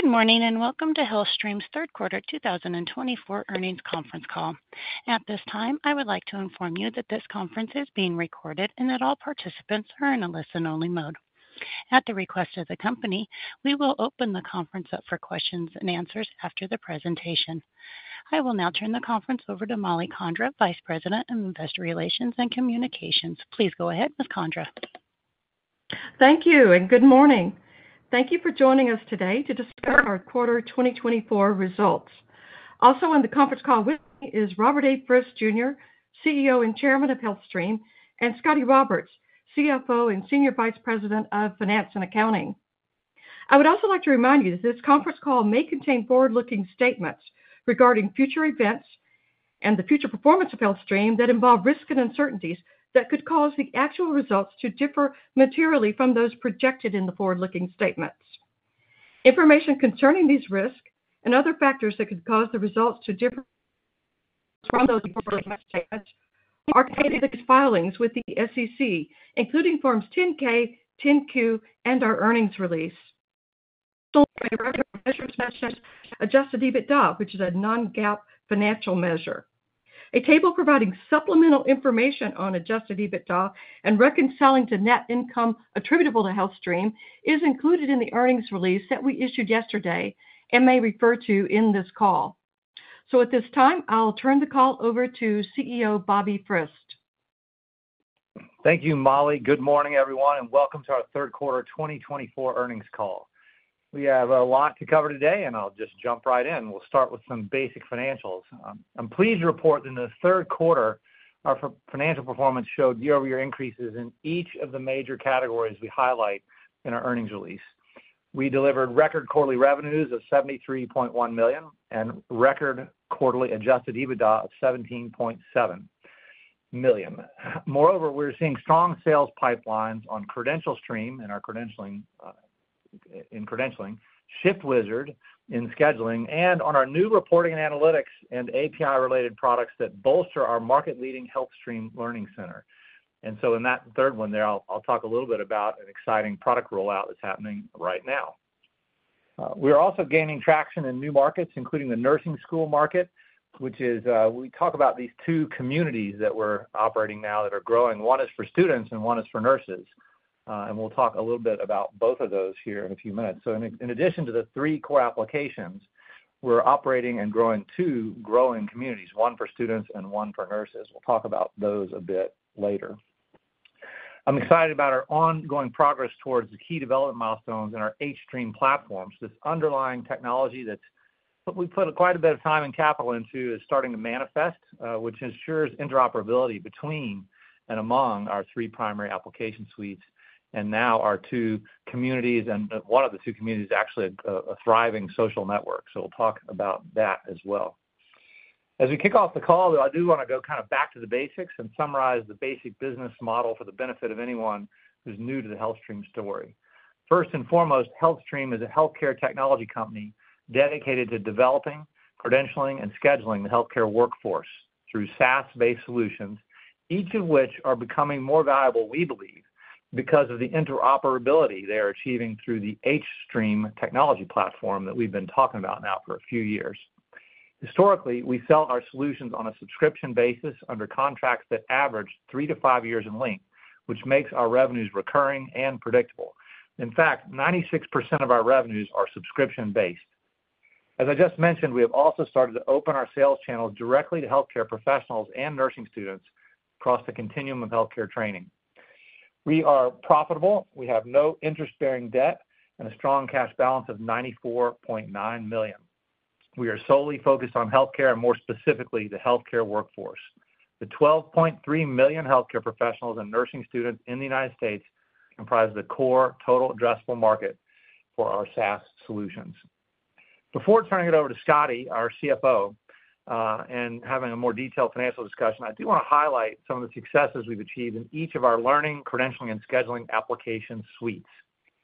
Good morning, and welcome to HealthStream's Third Quarter 2024 Earnings Conference Call. At this time, I would like to inform you that this conference is being recorded and that all participants are in a listen-only mode. At the request of the company, we will open the conference up for questions and answers after the presentation. I will now turn the conference over to Mollie Condra, Vice President of Investor Relations and Communications. Please go ahead, Ms. Condra. Thank you, and good morning. Thank you for joining us today to discuss our quarter 2024 results. Also on the conference call with me is Robert A. Frist, Jr., CEO and Chairman of HealthStream, and Scott Roberts, CFO and Senior Vice President of Finance and Accounting. I would also like to remind you that this conference call may contain forward-looking statements regarding future events and the future performance of HealthStream that involve risks and uncertainties that could cause the actual results to differ materially from those projected in the forward-looking statements. Information concerning these risks and other factors that could cause the results to differ from those forward-looking statements are in the filings with the SEC, including Forms 10-K, 10-Q, and our earnings release. Adjusted EBITDA, which is a non-GAAP financial measure. A table providing supplemental information on Adjusted EBITDA and reconciling to net income attributable to HealthStream is included in the earnings release that we issued yesterday and may refer to in this call. At this time, I'll turn the call over to CEO, Bobby Frist. Thank you, Molly. Good morning, everyone, and welcome to our third quarter 2024 earnings call. We have a lot to cover today, and I'll just jump right in. We'll start with some basic financials. I'm pleased to report that in the third quarter, our financial performance showed year-over-year increases in each of the major categories we highlight in our earnings release. We delivered record quarterly revenues of $73.1 million and record quarterly Adjusted EBITDA of $17.7 million. Moreover, we're seeing strong sales pipelines on CredentialStream in our credentialing, ShiftWizard in scheduling, and on our new reporting, analytics, and API-related products that bolster our market-leading HealthStream Learning Center, and so in that third one there, I'll talk a little bit about an exciting product rollout that's happening right now. We are also gaining traction in new markets, including the nursing school market, which is we talk about these two communities that we're operating now that are growing. One is for students, and one is for nurses. And we'll talk a little bit about both of those here in a few minutes. In addition to the three core applications, we're operating and growing two growing communities, one for students and one for nurses. We'll talk about those a bit later. I'm excited about our ongoing progress towards the key development milestones in our hStream platforms. This underlying technology that's we've put quite a bit of time and capital into is starting to manifest, which ensures interoperability between and among our three primary application suites and now our two communities, and one of the two communities is actually a thriving social network. So we'll talk about that as well. As we kick off the call, though, I do want to go kind of back to the basics and summarize the basic business model for the benefit of anyone who's new to the HealthStream story. First and foremost, HealthStream is a healthcare technology company dedicated to developing, credentialing, and scheduling the healthcare workforce through SaaS-based solutions, each of which are becoming more valuable, we believe, because of the interoperability they are achieving through the hStream technology platform that we've been talking about now for a few years. Historically, we sell our solutions on a subscription basis under contracts that average three to five years in length, which makes our revenues recurring and predictable. In fact, 96% of our revenues are subscription-based. As I just mentioned, we have also started to open our sales channels directly to healthcare professionals and nursing students across the continuum of healthcare training. We are profitable, we have no interest-bearing debt, and a strong cash balance of $94.9 million. We are solely focused on healthcare and, more specifically, the healthcare workforce. The 12.3 million healthcare professionals and nursing students in the United States comprise the core total addressable market for our SaaS solutions. Before turning it over to Scottie, our CFO, and having a more detailed financial discussion, I do want to highlight some of the successes we've achieved in each of our learning, credentialing, and scheduling application suites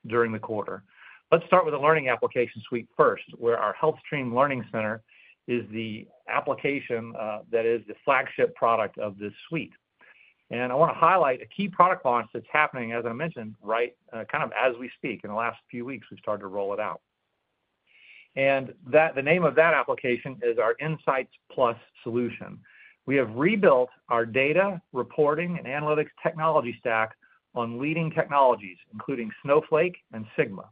during the quarter. Let's start with the learning application suite first, where our HealthStream Learning Center is the application that is the flagship product of this suite. I want to highlight a key product launch that's happening, as I mentioned, right, kind of as we speak. In the last few weeks, we've started to roll it out. And that, the name of that application is our Insights+ solution. We have rebuilt our data, reporting, and analytics technology stack on leading technologies, including Snowflake and Sigma.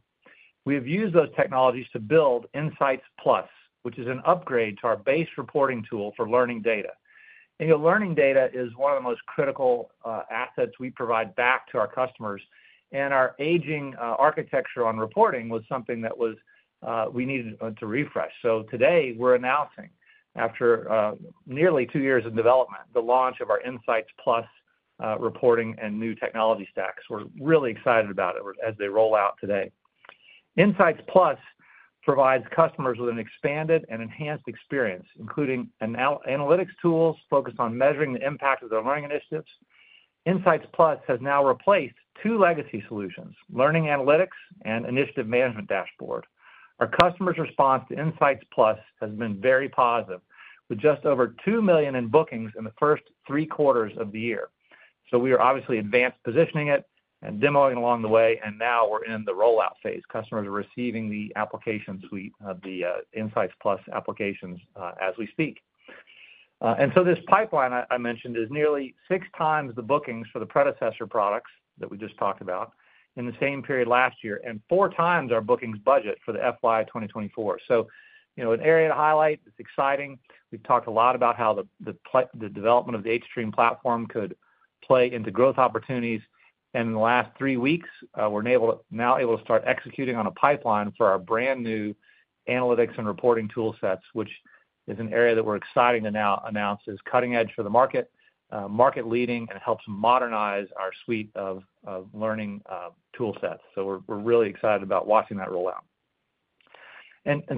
We have used those technologies to build Insights+, which is an upgrade to our base reporting tool for learning data. And learning data is one of the most critical assets we provide back to our customers, and our aging architecture on reporting was something we needed to refresh. So today, we're announcing, after nearly two years of development, the launch of our Insights+ reporting and new technology stacks. We're really excited about it as they roll out today. Insights+ provides customers with an expanded and enhanced experience, including analytics tools focused on measuring the impact of their learning initiatives. Insights+ has now replaced two legacy solutions, Learning Analytics and Initiative Management Dashboard. Our customers' response to Insights+ has been very positive, with just over $2 million in bookings in the first three quarters of the year... so we are obviously advanced positioning it and demoing along the way, and now we're in the rollout phase. Customers are receiving the application suite of the Insights+ applications as we speak. And so this pipeline I mentioned is nearly six times the bookings for the predecessor products that we just talked about in the same period last year, and four times our bookings budget for the FY 2024. So, you know, an area to highlight, it's exciting. We've talked a lot about how the development of the hStream platform could play into growth opportunities. In the last three weeks, we're now able to start executing on a pipeline for our brand-new analytics and reporting tool sets, which is an area that we're excited to now announce is cutting edge for the market, market leading, and helps modernize our suite of learning tool sets. We're really excited about watching that roll out.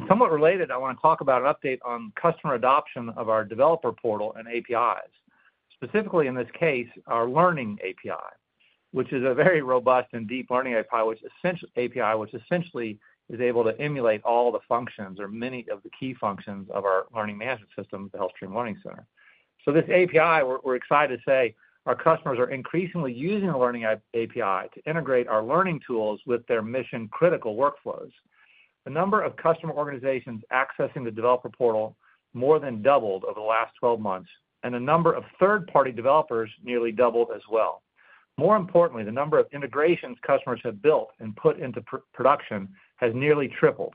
Somewhat related, I want to talk about an update on customer adoption of our developer portal and APIs. Specifically, in this case, our Learning API, which is a very robust and deep Learning API, which essentially is able to emulate all the functions or many of the key functions of our learning management system, the hStream Learning Center. This API, we're excited to say our customers are increasingly using the learning API to integrate our learning tools with their mission-critical workflows. The number of customer organizations accessing the developer portal more than doubled over the last 12 months, and the number of third-party developers nearly doubled as well. More importantly, the number of integrations customers have built and put into production has nearly tripled.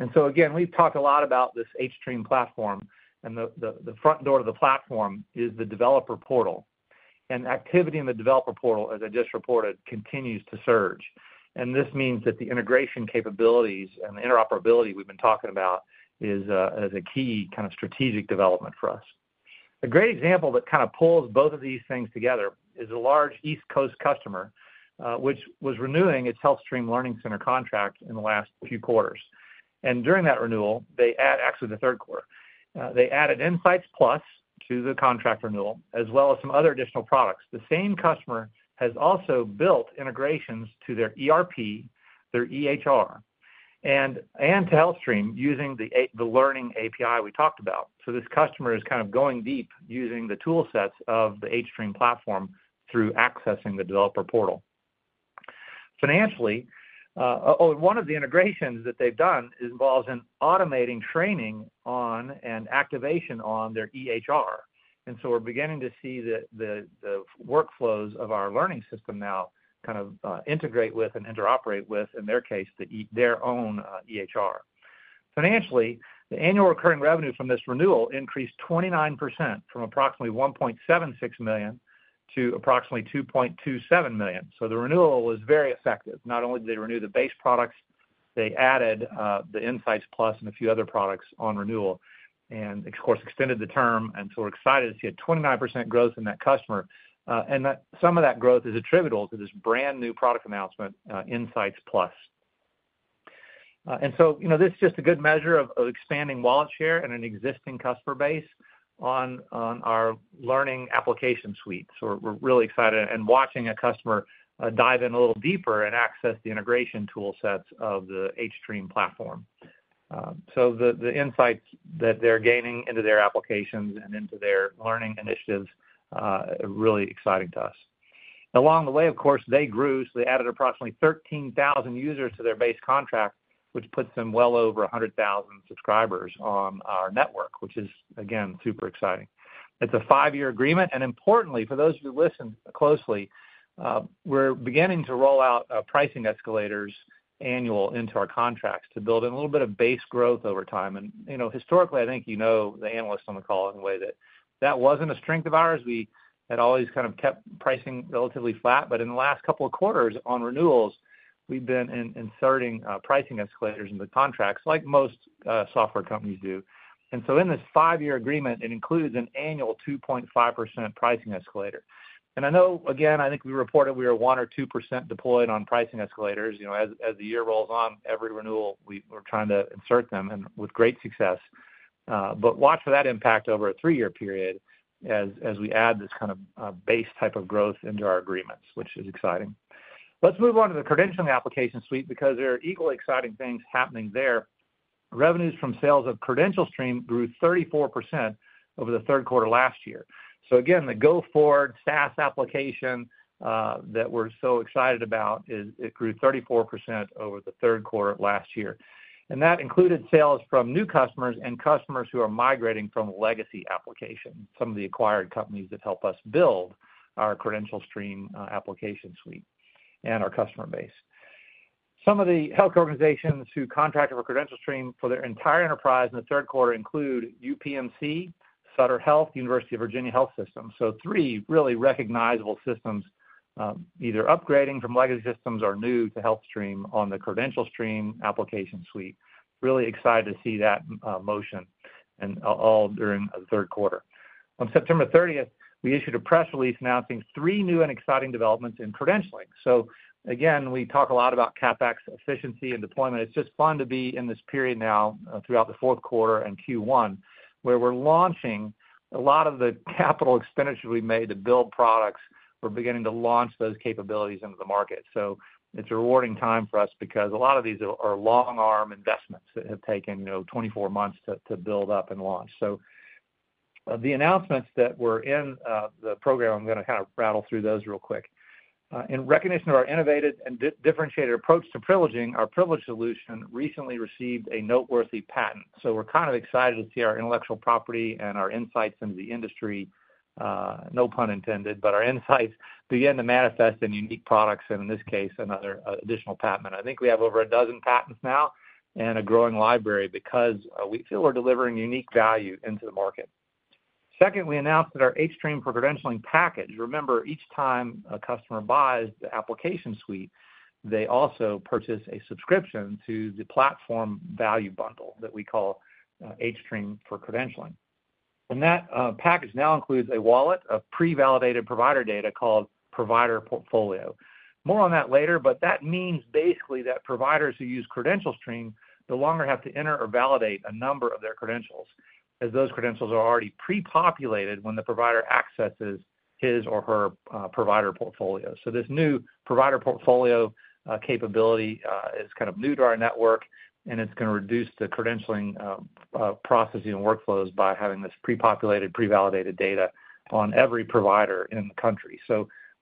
Again, we've talked a lot about this hStream platform, and the front door to the platform is the developer portal. Activity in the developer portal, as I just reported, continues to surge. This means that the integration capabilities and the interoperability we've been talking about is a key kind of strategic development for us. A great example that kind of pulls both of these things together is a large East Coast customer, which was renewing its HealthStream Learning Center contract in the last few quarters. Actually, in the third quarter, they added Insights+ to the contract renewal, as well as some other additional products. The same customer has also built integrations to their ERP, their EHR, and to HealthStream, using the Learning API we talked about. This customer is kind of going deep, using the tool sets of the hStream platform through accessing the developer portal. Financially, one of the integrations that they've done involves automating training and activation on their EHR. We're beginning to see the workflows of our learning system now kind of integrate with and interoperate with, in their case, their own EHR. Financially, the annual recurring revenue from this renewal increased 29% from approximately $1.76 million to approximately $2.27 million. The renewal was very effective. Not only did they renew the base products, they added the Insights+ and a few other products on renewal. Of course, they extended the term, and we're excited to see a 29% growth in that customer, and that some of that growth is attributable to this brand-new product announcement, Insights+. You know, this is just a good measure of expanding wallet share in an existing customer base on our learning application suite. So we're really excited and watching a customer dive in a little deeper and access the integration tool sets of the hStream platform. So the insights that they're gaining into their applications and into their learning initiatives are really exciting to us. Along the way, of course, they grew, so they added approximately 13,000 users to their base contract, which puts them well over 100,000 subscribers on our network, which is, again, super exciting. It's a 5-year agreement, and importantly, for those of you who listen closely, we're beginning to roll out pricing escalators annual into our contracts to build in a little bit of base growth over time, and you know, historically, I think you know, the analysts on the call, in a way that wasn't a strength of ours. We had always kind of kept pricing relatively flat, but in the last couple of quarters on renewals, we've been inserting pricing escalators into contracts, like most software companies do. And so in this five-year agreement, it includes an annual 2.5% pricing escalator. And I know, again, I think we reported we were 1 or 2% deployed on pricing escalators. You know, as the year rolls on, every renewal, we're trying to insert them, and with great success. But watch for that impact over a three-year period as we add this kind of base type of growth into our agreements, which is exciting. Let's move on to the credentialing application suite because there are equally exciting things happening there. Revenues from sales of CredentialStream grew 34% over the third quarter last year. So again, the go-forward SaaS application that we're so excited about is, it grew 34% over the third quarter last year. And that included sales from new customers and customers who are migrating from legacy applications, some of the acquired companies that help us build our CredentialStream application suite and our customer base. Some of the health organizations who contracted for CredentialStream for their entire enterprise in the third quarter include UPMC, Sutter Health, University of Virginia Health System. So three really recognizable systems, either upgrading from legacy systems or new to hStream on the CredentialStream application suite. Really excited to see that motion, and all during the third quarter. On September thirtieth, we issued a press release announcing three new and exciting developments in credentialing. So again, we talk a lot about CapEx efficiency and deployment. It's just fun to be in this period now throughout the fourth quarter and Q1, where we're launching a lot of the capital expenditures we made to build products. We're beginning to launch those capabilities into the market, so it's a rewarding time for us because a lot of these are long-term investments that have taken you know twenty-four months to build up and launch. The announcements that were in the program, I'm going to kind of rattle through those real quick. In recognition of our innovative and differentiated approach to privileging, our privileging solution recently received a noteworthy patent, so we're kind of excited to see our intellectual property and our insights into the industry, no pun intended, but our insights begin to manifest in unique products, and in this case, another additional patent. I think we have over a dozen patents now and a growing library because we feel we're delivering unique value into the market. Secondly, we announced that our hStream for Credentialing package- remember, each time a customer buys the application suite, they also purchase a subscription to the platform value bundle that we call hStream for Credentialing. And that package now includes a wallet of pre-validated provider data called Provider Portfolio. More on that later, but that means basically that providers who use CredentialStream no longer have to enter or validate a number of their credentials, as those credentials are already pre-populated when the provider accesses his or her Provider Portfolio. This new Provider Portfolio capability is kind of new to our network, and it's going to reduce the credentialing processing and workflows by having this pre-populated, pre-validated data on every provider in the country.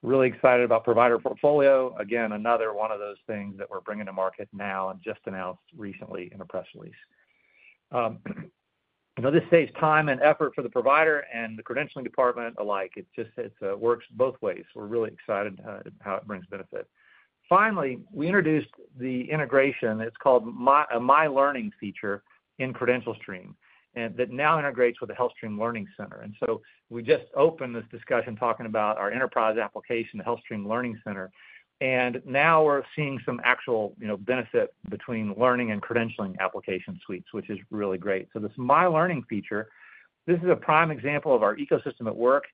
Really excited about Provider Portfolio. Again, another one of those things that we're bringing to market now and just announced recently in a press release. Now, this saves time and effort for the provider and the credentialing department alike. It just, it works both ways. We're really excited to how it brings benefit. Finally, we introduced the integration. It's called My Learning feature in CredentialStream, and that now integrates with the HealthStream Learning Center. And so we just opened this discussion talking about our enterprise application, the HealthStream Learning Center, and now we're seeing some actual, you know, benefit between learning and credentialing application suites, which is really great. So this My Learning feature, this is a prime example of our ecosystem at work,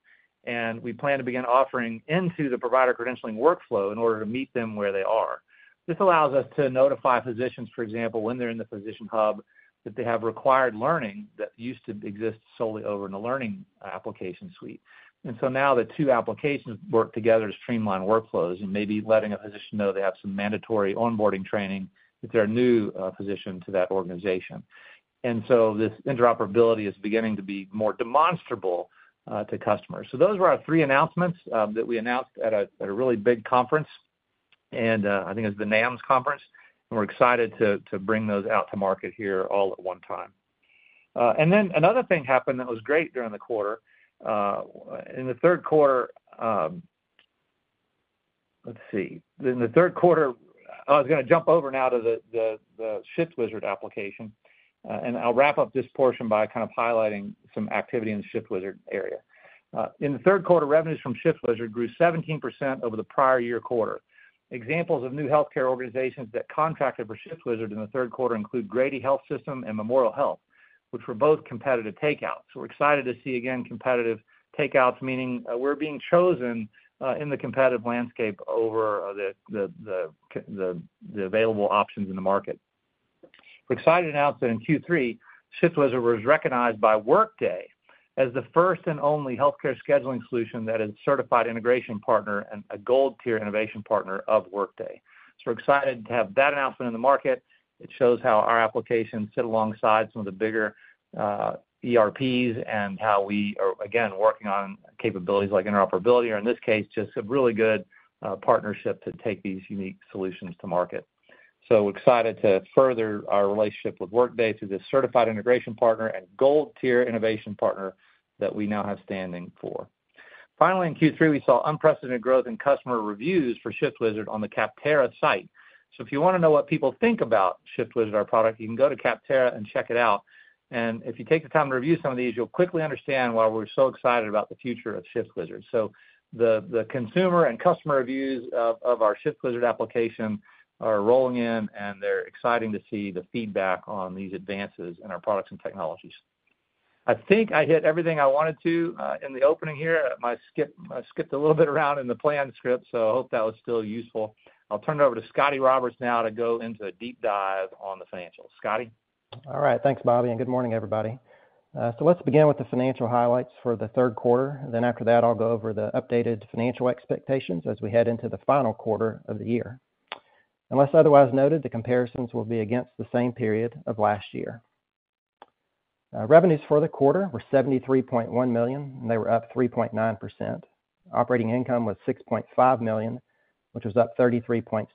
and we plan to begin offering into the provider credentialing workflow in order to meet them where they are. This allows us to notify physicians, for example, when they're in the physician hub, that they have required learning that used to exist solely over in the learning application suite. And so now the two applications work together to streamline workflows and maybe letting a physician know they have some mandatory onboarding training if they're a new physician to that organization. And so this interoperability is beginning to be more demonstrable to customers. Those were our three announcements that we announced at a really big conference, and I think it was the NAMSS conference, and we're excited to bring those out to market here all at one time, and then another thing happened that was great during the quarter. In the third quarter, I was going to jump over now to the ShiftWizard application, and I'll wrap up this portion by kind of highlighting some activity in the ShiftWizard area. In the third quarter, revenues from ShiftWizard grew 17% over the prior year quarter. Examples of new healthcare organizations that contracted for ShiftWizard in the third quarter include Grady Health System and Memorial Health, which were both competitive takeouts. So we're excited to see, again, competitive takeouts, meaning, we're being chosen, in the competitive landscape over, the available options in the market. We're excited to announce that in Q3, ShiftWizard was recognized by Workday as the first and only healthcare scheduling solution that is a certified integration partner and a gold-tier innovation partner of Workday. So we're excited to have that announcement in the market. It shows how our applications sit alongside some of the bigger, ERPs, and how we are, again, working on capabilities like interoperability, or in this case, just a really good, partnership to take these unique solutions to market. So we're excited to further our relationship with Workday through this certified integration partner and gold-tier innovation partner that we now have standing for. Finally, in Q3, we saw unprecedented growth in customer reviews for ShiftWizard on the Capterra site, so if you want to know what people think about ShiftWizard, our product, you can go to Capterra and check it out, and if you take the time to review some of these, you'll quickly understand why we're so excited about the future of ShiftWizard, so the consumer and customer reviews of our ShiftWizard application are rolling in, and they're exciting to see the feedback on these advances in our products and technologies. I think I hit everything I wanted to in the opening here. I skipped a little bit around in the planned script, so I hope that was still useful. I'll turn it over to Scotty Roberts now to go into a deep dive on the financials. Scotty? All right. Thanks, Bobby, and good morning, everybody. So let's begin with the financial highlights for the third quarter, and then after that, I'll go over the updated financial expectations as we head into the final quarter of the year. Unless otherwise noted, the comparisons will be against the same period of last year. Revenues for the quarter were $73.1 million, and they were up 3.9%. Operating income was $6.5 million, which was up 33.6%.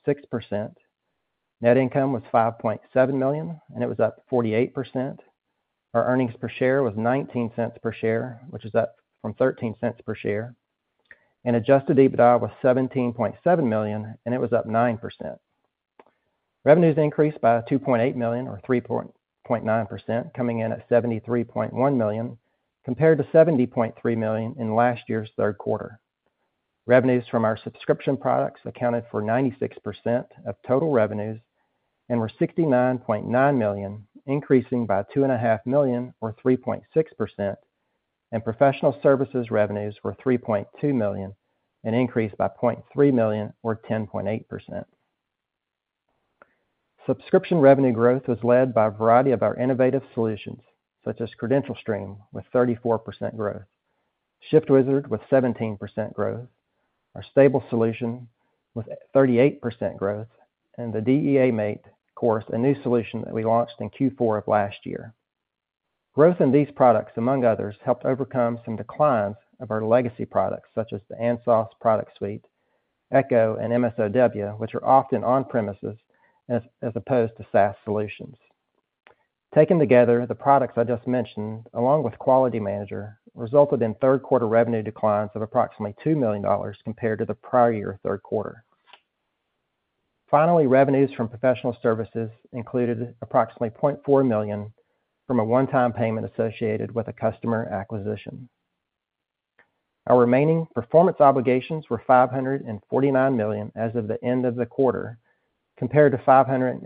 Net income was $5.7 million, and it was up 48%. Our earnings per share was $0.19 per share, which is up from $0.13 per share. Adjusted EBITDA was $17.7 million, and it was up 9%. Revenues increased by $2.8 million or 3.9%, coming in at $73.1 million, compared to $70.3 million in last year's third quarter. Revenues from our subscription products accounted for 96% of total revenues and were $69.9 million, increasing by $2.5 million or 3.6%, and professional services revenues were $3.2 million, an increase by $0.3 million or 10.8%. Subscription revenue growth was led by a variety of our innovative solutions, such as CredentialStream, with 34% growth. ShiftWizard with 17% growth, our S.T.A.B.L.E. solution with 38% growth, and the DEA MATE course, a new solution that we launched in Q4 of last year. Growth in these products, among others, helped overcome some declines of our legacy products, such as the ANSOS product suite, Echo, and MSOW, which are often on-premises as opposed to SaaS solutions. Taken together, the products I just mentioned, along with Quality Manager, resulted in third-quarter revenue declines of approximately $2 million compared to the prior year third quarter. Finally, revenues from professional services included approximately $0.4 million from a one-time payment associated with a customer acquisition. Our remaining performance obligations were $549 million as of the end of the quarter, compared to $511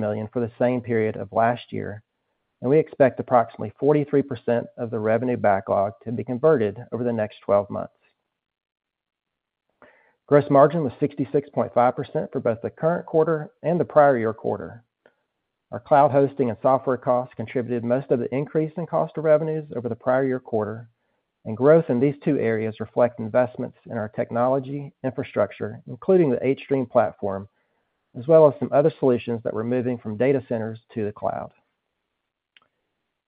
million for the same period of last year, and we expect approximately 43% of the revenue backlog to be converted over the next twelve months. Gross margin was 66.5% for both the current quarter and the prior year quarter. Our cloud hosting and software costs contributed most of the increase in cost of revenues over the prior year quarter, and growth in these two areas reflect investments in our technology infrastructure, including the hStream platform, as well as some other solutions that we're moving from data centers to the cloud.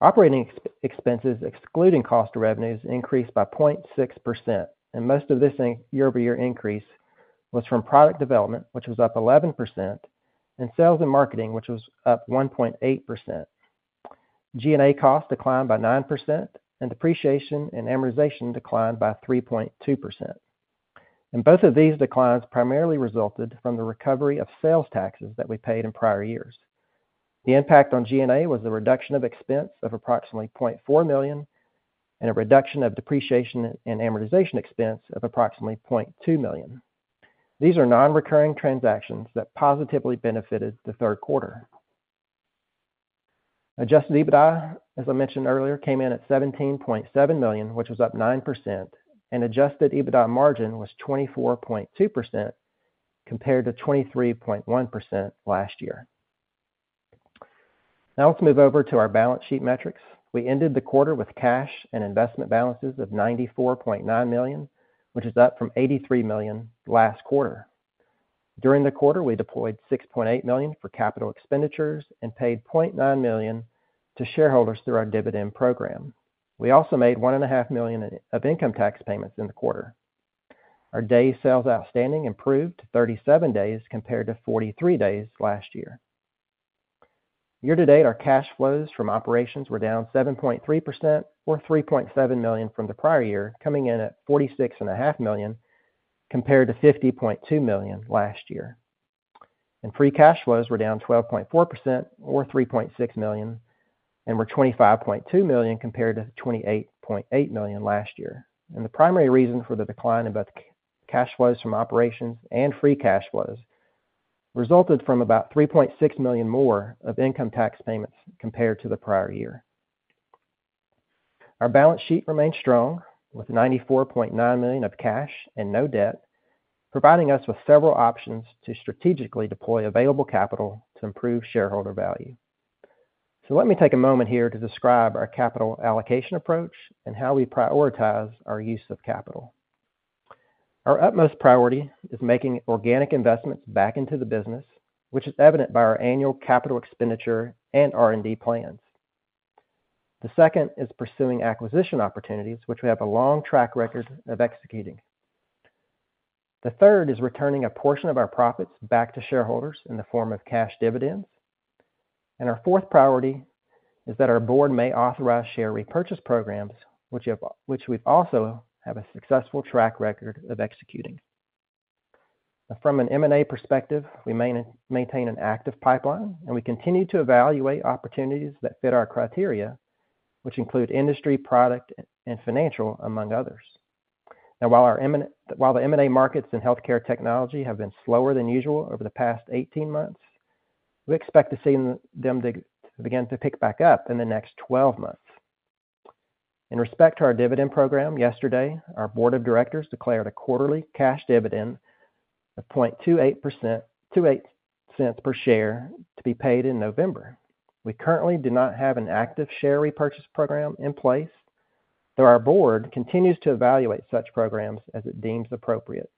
Operating expenses, excluding cost of revenues, increased by 0.6%, and most of this in year-over-year increase was from product development, which was up 11%, and sales and marketing, which was up 1.8%. G&A costs declined by 9%, and depreciation and amortization declined by 3.2%. Both of these declines primarily resulted from the recovery of sales taxes that we paid in prior years. The impact on G&A was a reduction of expense of approximately $0.4 million and a reduction of depreciation and amortization expense of approximately $0.2 million. These are non-recurring transactions that positively benefited the third quarter. Adjusted EBITDA, as I mentioned earlier, came in at $17.7 million, which was up 9%, and adjusted EBITDA margin was 24.2%, compared to 23.1% last year. Now let's move over to our balance sheet metrics. We ended the quarter with cash and investment balances of $94.9 million, which is up from $83 million last quarter. During the quarter, we deployed $6.8 million for capital expenditures and paid $0.9 million to shareholders through our dividend program. We also made $1.5 million of income tax payments in the quarter. Our days sales outstanding improved to 37 days compared to 43 days last year. Year-to-date, our cash flows from operations were down 7.3% or $3.7 million from the prior year, coming in at $46.5 million, compared to $50.2 million last year, and free cash flows were down 12.4% or $3.6 million, and were $25.2 million, compared to $28.8 million last year, and the primary reason for the decline in both cash flows from operations and free cash flows resulted from about $3.6 million more of income tax payments compared to the prior year. Our balance sheet remains strong, with $94.9 million of cash and no debt, providing us with several options to strategically deploy available capital to improve shareholder value. So let me take a moment here to describe our capital allocation approach and how we prioritize our use of capital. Our utmost priority is making organic investments back into the business, which is evident by our annual capital expenditure and R&D plans. The second is pursuing acquisition opportunities, which we have a long track record of executing. The third is returning a portion of our profits back to shareholders in the form of cash dividends. And our fourth priority is that our board may authorize share repurchase programs, which we've also have a successful track record of executing. From an M&A perspective, we maintain an active pipeline, and we continue to evaluate opportunities that fit our criteria, which include industry, product, and financial, among others. Now, while the M&A markets in healthcare technology have been slower than usual over the past eighteen months, we expect to see them to begin to pick back up in the next twelve months. In respect to our dividend program, yesterday, our board of directors declared a quarterly cash dividend of $0.28 per share to be paid in November. We currently do not have an active share repurchase program in place, though our board continues to evaluate such programs as it deems appropriate.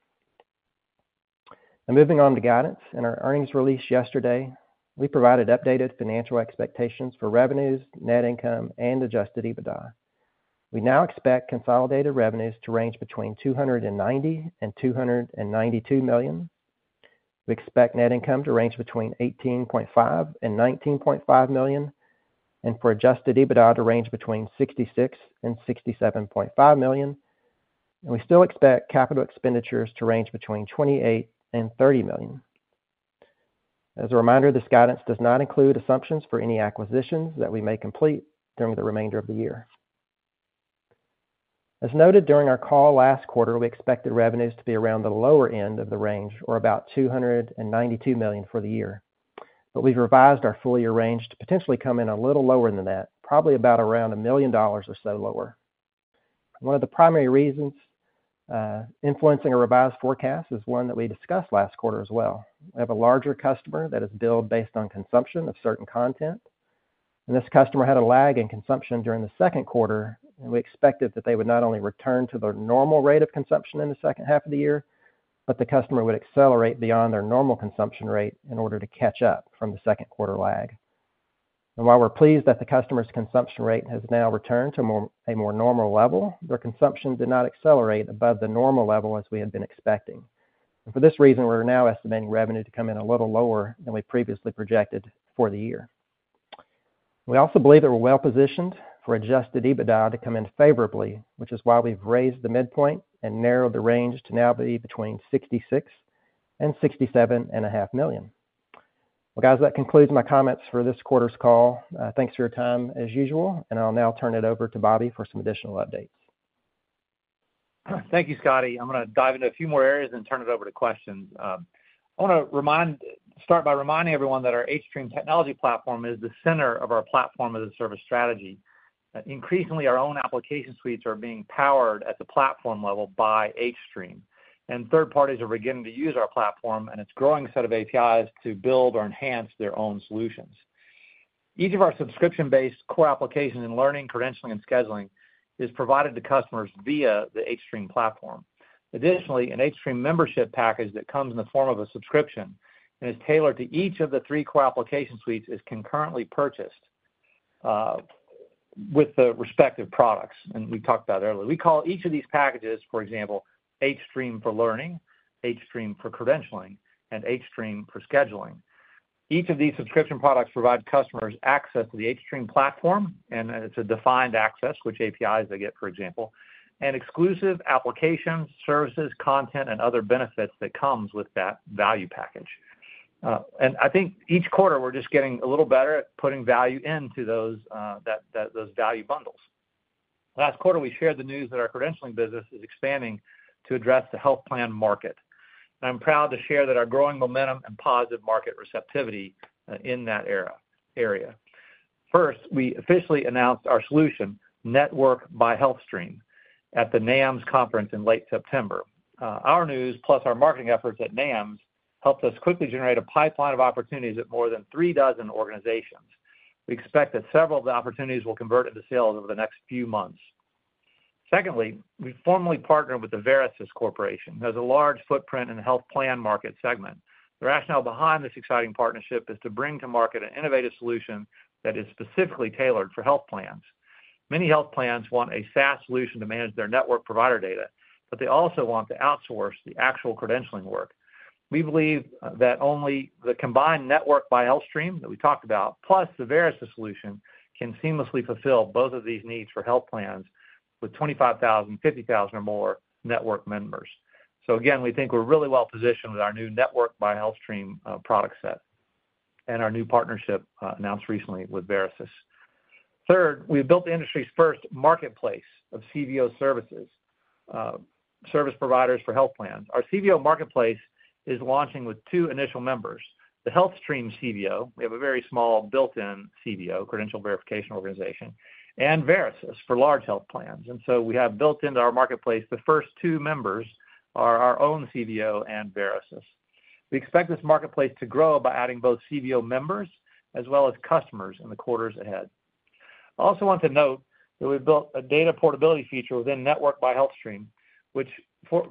Now, moving on to guidance. In our earnings release yesterday, we provided updated financial expectations for revenues, net income, and Adjusted EBITDA. We now expect consolidated revenues to range between $290 million and $292 million. We expect net income to range between $18.5 million and $19.5 million, and for Adjusted EBITDA to range between $66million and $67.5 million, and we still expect capital expenditures to range between $28 and $30 million. As a reminder, this guidance does not include assumptions for any acquisitions that we may complete during the remainder of the year. As noted during our call last quarter, we expected revenues to be around the lower end of the range, or about $292 million for the year. But we've revised our full-year range to potentially come in a little lower than that, probably about around $1 million or so lower. One of the primary reasons, influencing a revised forecast is one that we discussed last quarter as well. We have a larger customer that is billed based on consumption of certain content. This customer had a lag in consumption during the second quarter, and we expected that they would not only return to their normal rate of consumption in the second half of the year, but the customer would accelerate beyond their normal consumption rate in order to catch up from the second quarter lag. While we're pleased that the customer's consumption rate has now returned to a more normal level, their consumption did not accelerate above the normal level as we had been expecting. For this reason, we're now estimating revenue to come in a little lower than we previously projected for the year. We also believe that we're well-positioned for adjusted EBITDA to come in favorably, which is why we've raised the midpoint and narrowed the range to now be between $66 million and $67.5 million. Guys, that concludes my comments for this quarter's call. Thanks for your time, as usual, and I'll now turn it over to Bobby for some additional updates. Thank you, Scotty. I'm going to dive into a few more areas and turn it over to questions. I want to start by reminding everyone that our hStream technology platform is the center of our platform-as-a-service strategy. Increasingly, our own application suites are being powered at the platform level by hStream, and third parties are beginning to use our platform and its growing set of APIs to build or enhance their own solutions. Each of our subscription-based core applications in learning, credentialing, and scheduling is provided to customers via the hStream platform. Additionally, an hStream membership package that comes in the form of a subscription and is tailored to each of the three core application suites is concurrently purchased with the respective products we talked about earlier. We call each of these packages, for example, hStream for Learning, hStream for Credentialing, and hStream for Scheduling. Each of these subscription products provide customers access to the hStream platform, and, it's a defined access, which APIs they get, for example, and exclusive applications, services, content, and other benefits that comes with that value package. And I think each quarter, we're just getting a little better at putting value into those, that, those value bundles. Last quarter, we shared the news that our credentialing business is expanding to address the health plan market. I'm proud to share that our growing momentum and positive market receptivity, in that area. First, we officially announced our solution, Network by HealthStream, at the NAMSS conference in late September. Our news, plus our marketing efforts at NAMSS, helped us quickly generate a pipeline of opportunities at more than three dozen organizations. We expect that several of the opportunities will convert into sales over the next few months. Secondly, we formally partnered with the Verisys Corporation, who has a large footprint in the health plan market segment. The rationale behind this exciting partnership is to bring to market an innovative solution that is specifically tailored for health plans. Many health plans want a SaaS solution to manage their network provider data, but they also want to outsource the actual credentialing work. We believe that only the combined Network by HealthStream that we talked about, plus the Verisys solution, can seamlessly fulfill both of these needs for health plans with twenty-five thousand, fifty thousand, or more network members. So again, we think we're really well-positioned with our new Network by HealthStream product set and our new partnership announced recently with Verisys. Third, we built the industry's first marketplace of CVO services, service providers for health plans. Our CVO marketplace is launching with two initial members, the HealthStream CVO, we have a very small built-in CVO, credential verification organization, and Verisys for large health plans. And so we have built into our marketplace, the first two members are our own CVO and Verisys. We expect this marketplace to grow by adding both CVO members as well as customers in the quarters ahead. I also want to note that we've built a data portability feature within Network by HealthStream,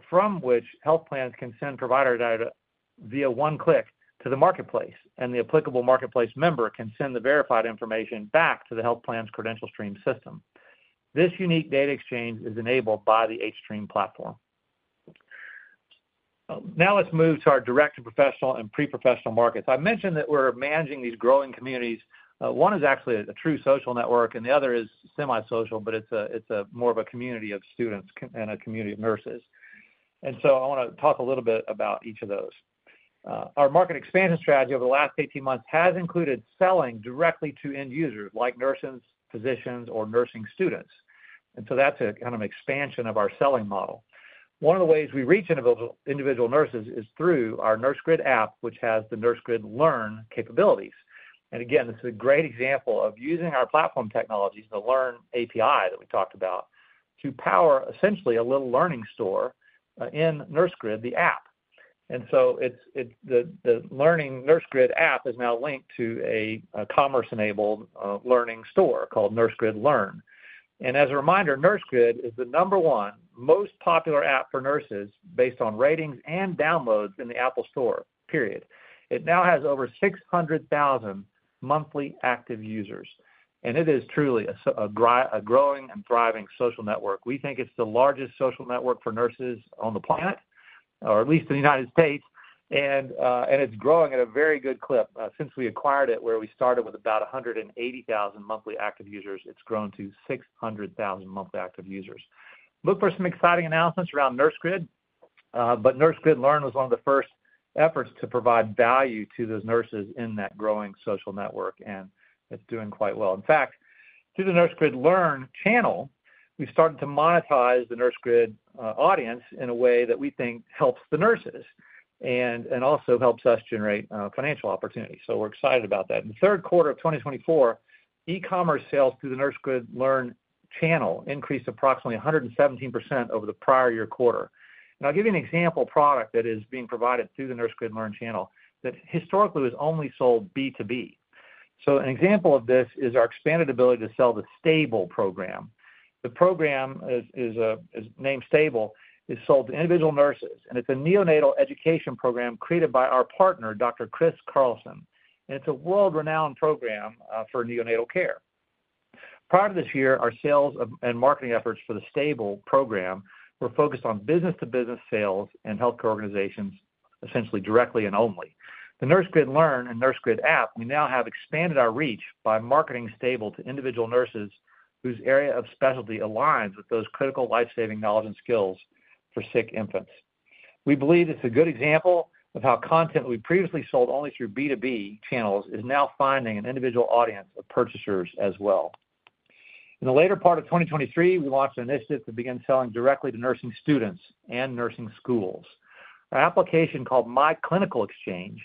from which health plans can send provider data via one click to the marketplace, and the applicable marketplace member can send the verified information back to the health plan's CredentialStream system. This unique data exchange is enabled by the hStream platform. Now let's move to our direct to professional and pre-professional markets. I mentioned that we're managing these growing communities. One is actually a true social network, and the other is semi-social, but it's a more of a community of students and a community of nurses. And so I wanna talk a little bit about each of those. Our market expansion strategy over the last eighteen months has included selling directly to end users, like nurses, physicians, or nursing students, and so that's a kind of expansion of our selling model. One of the ways we reach individual nurses is through our NurseGrid app, which has the NurseGrid Learn capabilities. And again, this is a great example of using our platform technologies, the Learn API that we talked about, to power essentially a little learning store, in NurseGrid, the app. The learning NurseGrid app is now linked to a commerce-enabled learning store called NurseGrid Learn. As a reminder, NurseGrid is the number one most popular app for nurses based on ratings and downloads in the Apple store, period. It now has over six hundred thousand monthly active users, and it is truly a growing and thriving social network. We think it's the largest social network for nurses on the planet, or at least in the United States, and it's growing at a very good clip. Since we acquired it, where we started with about a hundred and eighty thousand monthly active users, it's grown to six hundred thousand monthly active users. Look for some exciting announcements around NurseGrid, but NurseGrid Learn was one of the first efforts to provide value to those nurses in that growing social network, and it's doing quite well. In fact, through the NurseGrid Learn channel, we've started to monetize the NurseGrid audience in a way that we think helps the nurses, and also helps us generate financial opportunity. So we're excited about that. In the third quarter of twenty twenty-four, e-commerce sales through the NurseGrid Learn channel increased approximately 117% over the prior year quarter. Now, I'll give you an example product that is being provided through the NurseGrid Learn channel that historically was only sold B2B. So an example of this is our expanded ability to sell the S.T.A.B.L.E. program. The program is named S.T.A.B.L.E., is sold to individual nurses, and it's a neonatal education program created by our partner, Dr. Kristine Karlsen. And it's a world-renowned program for neonatal care. Prior to this year, our sales of and marketing efforts for the S.T.A.B.L.E. program were focused on business-to-business sales and healthcare organizations, essentially directly and only. The NurseGrid Learn and NurseGrid app, we now have expanded our reach by marketing S.T.A.B.L.E. to individual nurses whose area of specialty aligns with those critical life-saving knowledge and skills for sick infants. We believe it's a good example of how content we previously sold only through B2B channels is now finding an individual audience of purchasers as well. In the later part of 2023, we launched an initiative to begin selling directly to nursing students and nursing schools. Our application, called myClinicalExchange,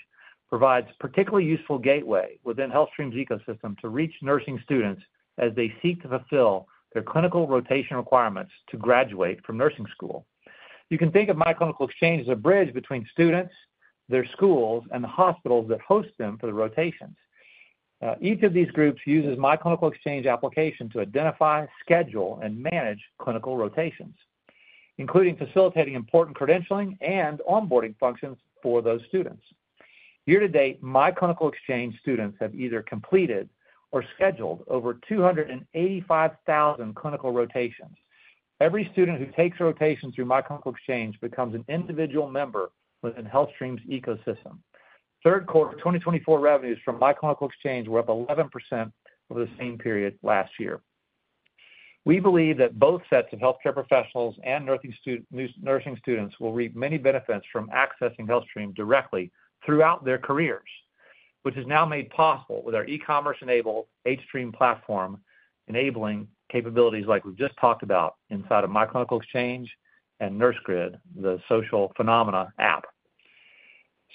provides particularly useful gateway within HealthStream's ecosystem to reach nursing students as they seek to fulfill their clinical rotation requirements to graduate from nursing school. You can think of myClinicalExchange as a bridge between students, their schools, and the hospitals that host them for the rotations. Each of these groups uses myClinicalExchange application to identify, schedule, and manage clinical rotations, including facilitating important credentialing and onboarding functions for those students. Year-to-date, myClinicalExchange students have either completed or scheduled over 285,000 clinical rotations. Every student who takes rotations through myClinicalExchange becomes an individual member within HealthStream's ecosystem. Third quarter 2024 revenues from myClinicalExchange were up 11% over the same period last year. We believe that both sets of healthcare professionals and nursing students will reap many benefits from accessing HealthStream directly throughout their careers, which is now made possible with our e-commerce-enabled hStream platform, enabling capabilities like we've just talked about inside of myClinicalExchange and NurseGrid, the social phenomena app.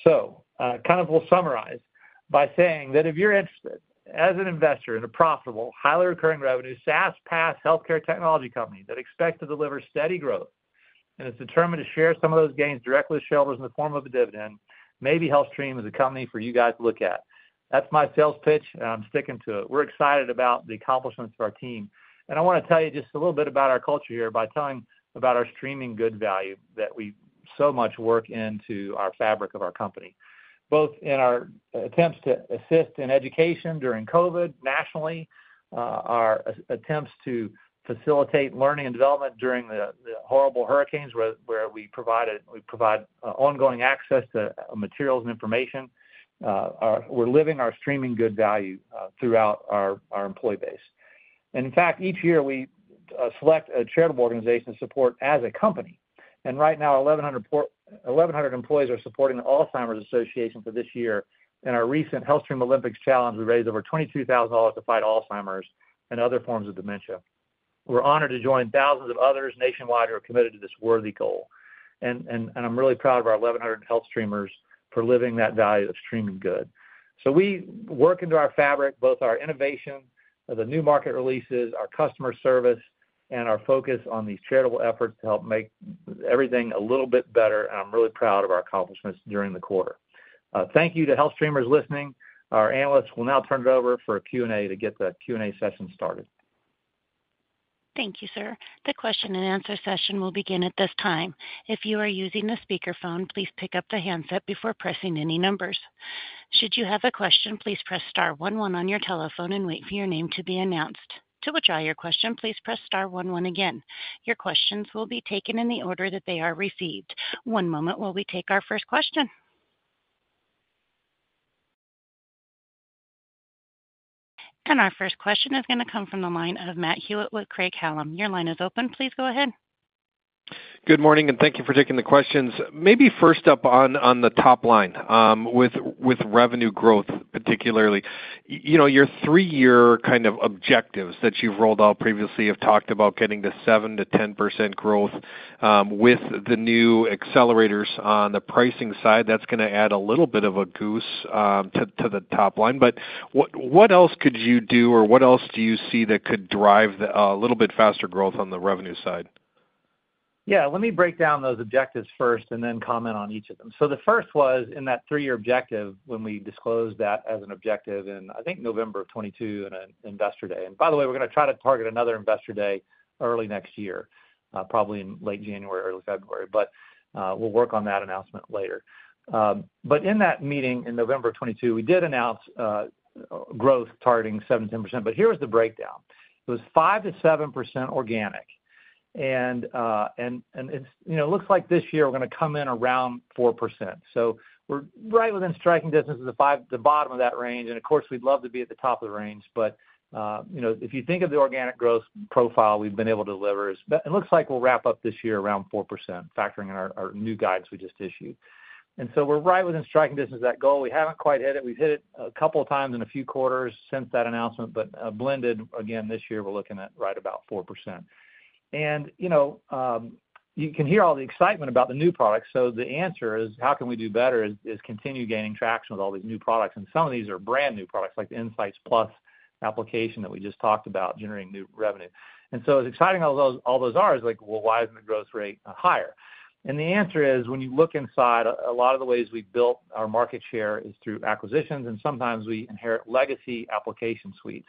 So, kind of we'll summarize by saying that if you're interested, as an investor in a profitable, highly recurring revenue, SaaS, PaaS, healthcare technology company that expects to deliver steady growth and is determined to share some of those gains directly with shareholders in the form of a dividend, maybe HealthStream is a company for you guys to look at. That's my sales pitch, and I'm sticking to it. We're excited about the accomplishments of our team. I want to tell you just a little bit about our culture here by telling about our Streamin' Good value that we so much work into our fabric of our company, both in our attempts to assist in education during COVID nationally, our attempts to facilitate learning and development during the horrible hurricanes, where we provide ongoing access to materials and information. We're living our Streamin' Good value throughout our employee base. In fact, each year, we select a charitable organization to support as a company. Right now, 1,100 employees are supporting the Alzheimer's Association for this year. In our recent HealthStream Olympics Challenge, we raised over $22,000 to fight Alzheimer's and other forms of dementia. We're honored to join thousands of others nationwide who are committed to this worthy goal, and I'm really proud of our 1,100 HealthStreamers for living that value of streaming good. We work into our fabric, both our innovation, the new market releases, our customer service, and our focus on these charitable efforts to help make everything a little bit better, and I'm really proud of our accomplishments during the quarter. Thank you to HealthStreamers listening. Our analysts will now turn it over for a Q&A to get the Q&A session started. Thank you, sir. The question-and-answer session will begin at this time. If you are using a speakerphone, please pick up the handset before pressing any numbers. Should you have a question, please press star one one on your telephone and wait for your name to be announced. To withdraw your question, please press star one one again. Your questions will be taken in the order that they are received. One moment while we take our first question. And our first question is going to come from the line of Matt Hewitt with Craig-Hallum. Your line is open. Please go ahead. Good morning, and thank you for taking the questions. Maybe first up on the top line with revenue growth, particularly. You know, your three-year kind of objectives that you've rolled out previously have talked about getting to 7%-10% growth with the new accelerators on the pricing side. That's going to add a little bit of a goose to the top line. But what else could you do, or what else do you see that could drive a little bit faster growth on the revenue side? Yeah, let me break down those objectives first and then comment on each of them. So the first was in that three-year objective, when we disclosed that as an objective in, I think, November of 2022 in an Investor Day. And by the way, we're going to try to target another Investor Day early next year, probably in late January, early February, but we'll work on that announcement later. But in that meeting in November of 2022, we did announce growth targeting 7%-10%, but here was the breakdown. It was 5%-7% organic, and it's... You know, it looks like this year we're going to come in around 4%. So we're right within striking distance of the 5, the bottom of that range, and of course, we'd love to be at the top of the range. But, you know, if you think of the organic growth profile we've been able to deliver, it looks like we'll wrap up this year around 4%, factoring in our new guidance we just issued. And so we're right within striking distance of that goal. We haven't quite hit it. We've hit it a couple of times in a few quarters since that announcement, but, blended, again, this year, we're looking at right about 4%. And, you know, you can hear all the excitement about the new products. So the answer is, how can we do better, is continue gaining traction with all these new products. And some of these are brand-new products, like the Insights+ application that we just talked about, generating new revenue. And so as exciting as all those are, is like, well, why isn't the growth rate higher? And the answer is, when you look inside, a lot of the ways we've built our market share is through acquisitions, and sometimes we inherit legacy application suites.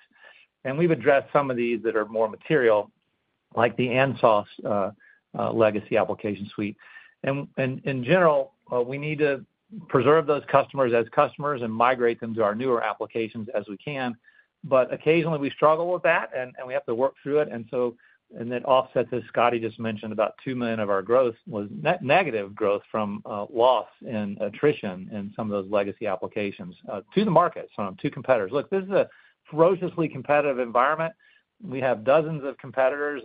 And we've addressed some of these that are more material, like the ANSOS legacy application suite. And in general, we need to preserve those customers as customers and migrate them to our newer applications as we can. But occasionally, we struggle with that, and we have to work through it, and so, and that offset that Scotty just mentioned, about $2 million of our growth was negative growth from loss and attrition in some of those legacy applications to the market, so to competitors. Look, this is a ferociously competitive environment. We have dozens of competitors,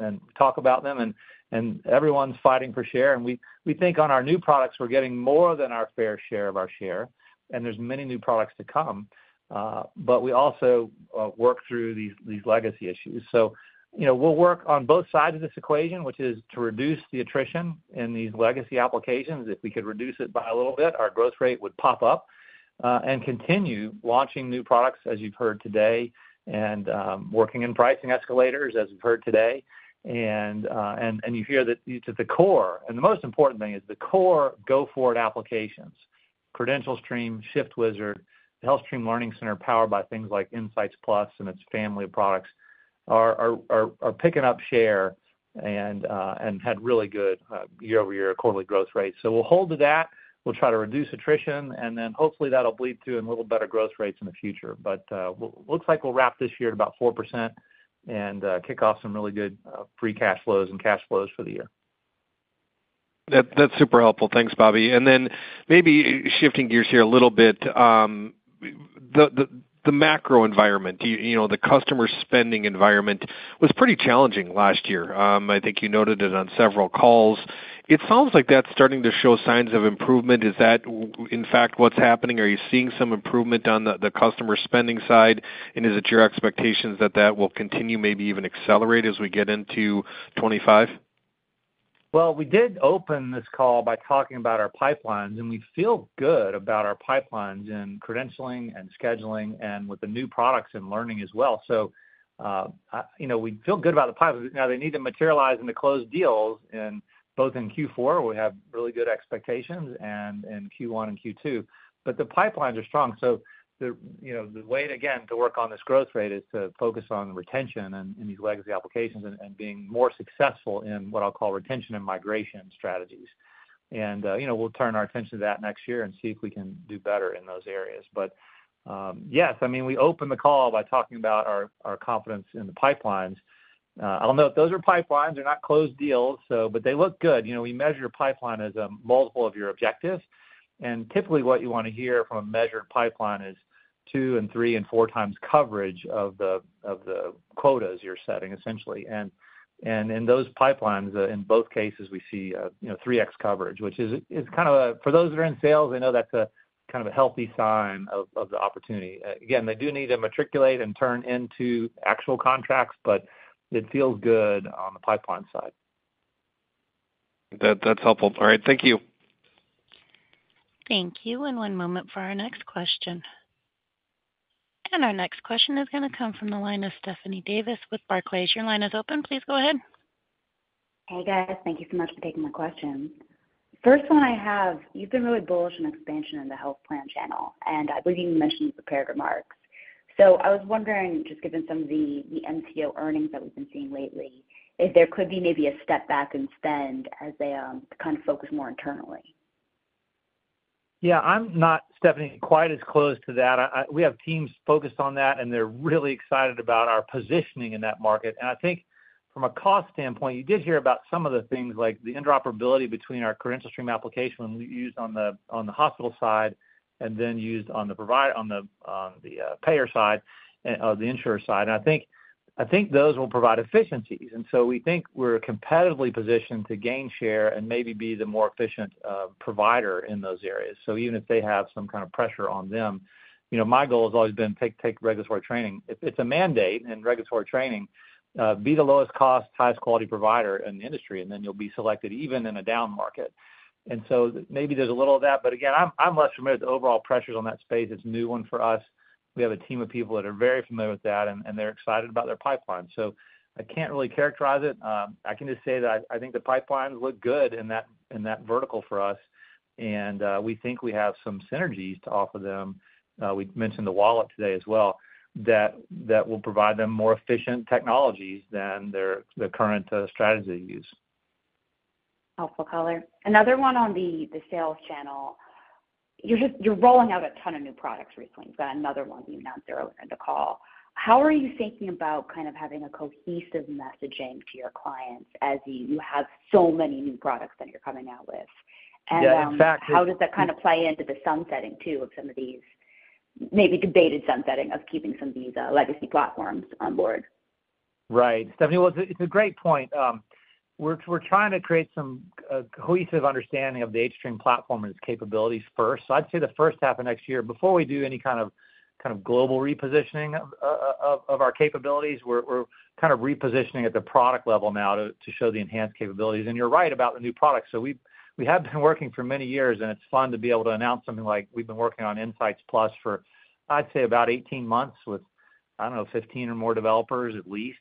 and talk about them, and everyone's fighting for share. And we think on our new products, we're getting more than our fair share of our share, and there's many new products to come, but we also work through these legacy issues. You know, we'll work on both sides of this equation, which is to reduce the attrition in these legacy applications. If we could reduce it by a little bit, our growth rate would pop up, and continue launching new products, as you've heard today, and working in pricing escalators, as you've heard today. And you hear that it's at the core, and the most important thing is the core go-forward applications. CredentialStream, ShiftWizard, the HealthStream Learning Center, powered by things like Insights+ and its family of products, are picking up share and had really good year-over-year quarterly growth rates. So we'll hold to that. We'll try to reduce attrition, and then hopefully, that'll bleed through in a little better growth rates in the future. But looks like we'll wrap this year at about 4% and kick off some really good free cash flows and cash flows for the year. That's super helpful. Thanks, Bobby. And then maybe shifting gears here a little bit, the macro environment, you know, the customer spending environment was pretty challenging last year. I think you noted it on several calls. It sounds like that's starting to show signs of improvement. Is that in fact what's happening? Are you seeing some improvement on the customer spending side? And is it your expectations that that will continue, maybe even accelerate as we get into 2025? We did open this call by talking about our pipelines, and we feel good about our pipelines in credentialing and scheduling and with the new products in learning as well. So, you know, we feel good about the pipelines. Now, they need to materialize into closed deals, and both in Q4, we have really good expectations, and in Q1 and Q2. But the pipelines are strong, so you know, the way, again, to work on this growth rate is to focus on retention and these legacy applications, and being more successful in what I'll call retention and migration strategies. And, you know, we'll turn our attention to that next year and see if we can do better in those areas. Yes, I mean, we opened the call by talking about our confidence in the pipelines. Although those are pipelines, they're not closed deals, so, but they look good. You know, we measure a pipeline as a multiple of your objectives, and typically what you want to hear from a measured pipeline is two and three and four times coverage of the quotas you're setting, essentially. And in those pipelines, you know, three X coverage, which is kind of a-for those that are in sales, they know that's a kind of a healthy sign of the opportunity. Again, they do need to matriculate and turn into actual contracts, but it feels good on the pipeline side. That's helpful. All right. Thank you. Thank you, and one moment for our next question, and our next question is gonna come from the line of Stephanie Davis with Barclays. Your line is open. Please go ahead. Hey, guys. Thank you so much for taking my questions. First one I have, you've been really bullish on expansion in the health plan channel, and I believe you mentioned it in the prepared remarks. So I was wondering, just given some of the MCO earnings that we've been seeing lately, if there could be maybe a step back in spend as they kind of focus more internally? Yeah, I'm not quite as close to that, Stephanie. We have teams focused on that, and they're really excited about our positioning in that market. And I think from a cost standpoint, you did hear about some of the things like the interoperability between our CredentialStream application, when we used on the hospital side, and then used on the provider side, or the payer side, or the insurer side. And I think those will provide efficiencies, and so we think we're competitively positioned to gain share and maybe be the more efficient provider in those areas. So even if they have some kind of pressure on them, you know, my goal has always been take regulatory training. If it's a mandate in regulatory training, be the lowest cost, highest quality provider in the industry, and then you'll be selected even in a down market. So maybe there's a little of that, but again, I'm less familiar with the overall pressures on that space. It's a new one for us. We have a team of people that are very familiar with that, and they're excited about their pipeline. So I can't really characterize it. I can just say that I think the pipelines look good in that vertical for us, and we think we have some synergies to offer them. We mentioned the wallet today as well, that will provide them more efficient technologies than their current strategy use. Helpful color. Another one on the sales channel. You're just rolling out a ton of new products recently. You've got another one you announced earlier in the call. How are you thinking about kind of having a cohesive messaging to your clients as you have so many new products that you're coming out with? Yeah, in fact- And, how does that kind of play into the sunsetting, too, of some of these, maybe debated sunsetting, of keeping some of these, legacy platforms on board? Right. Stephanie, well, it's a great point. We're, we're trying to create some cohesive understanding of the hStream platform and its capabilities first, so I'd say the first half of next year, before we do any kind of global repositioning, of our capabilities, we're kind of repositioning at the product level now to, to show the enhanced capabilities, and you're right about the new products, so we have been working for many years, and it's fun to be able to announce something like we've been working on Insights+ for, I'd say, about 18 months with, I don't know, 15 or more developers at least,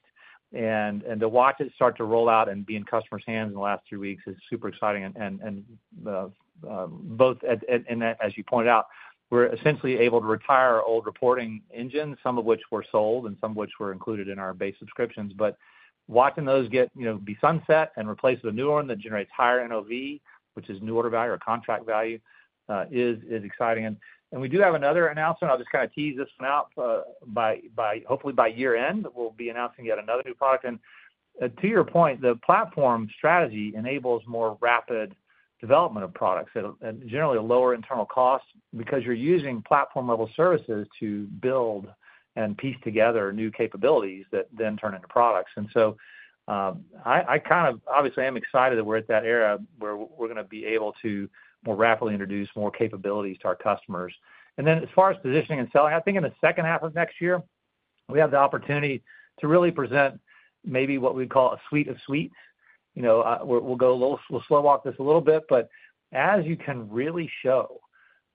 and to watch it start to roll out and be in customers' hands in the last two weeks is super exciting. And as you pointed out, we're essentially able to retire our old reporting engine, some of which were sold and some of which were included in our base subscriptions. But watching those get, you know, be sunset and replaced with a new one that generates higher NOV, which is new order value or contract value, is exciting. And we do have another announcement. I'll just kind of tease this one out, hopefully by year-end, we'll be announcing yet another new product. And to your point, the platform strategy enables more rapid development of products at generally a lower internal cost because you're using platform-level services to build and piece together new capabilities that then turn into products. I kind of obviously am excited that we're at that era where we're going to be able to more rapidly introduce more capabilities to our customers. As far as positioning and selling, I think in the second half of next year, we have the opportunity to really present maybe what we'd call a suite of suites. You know, we'll slow walk this a little bit, but as you can really show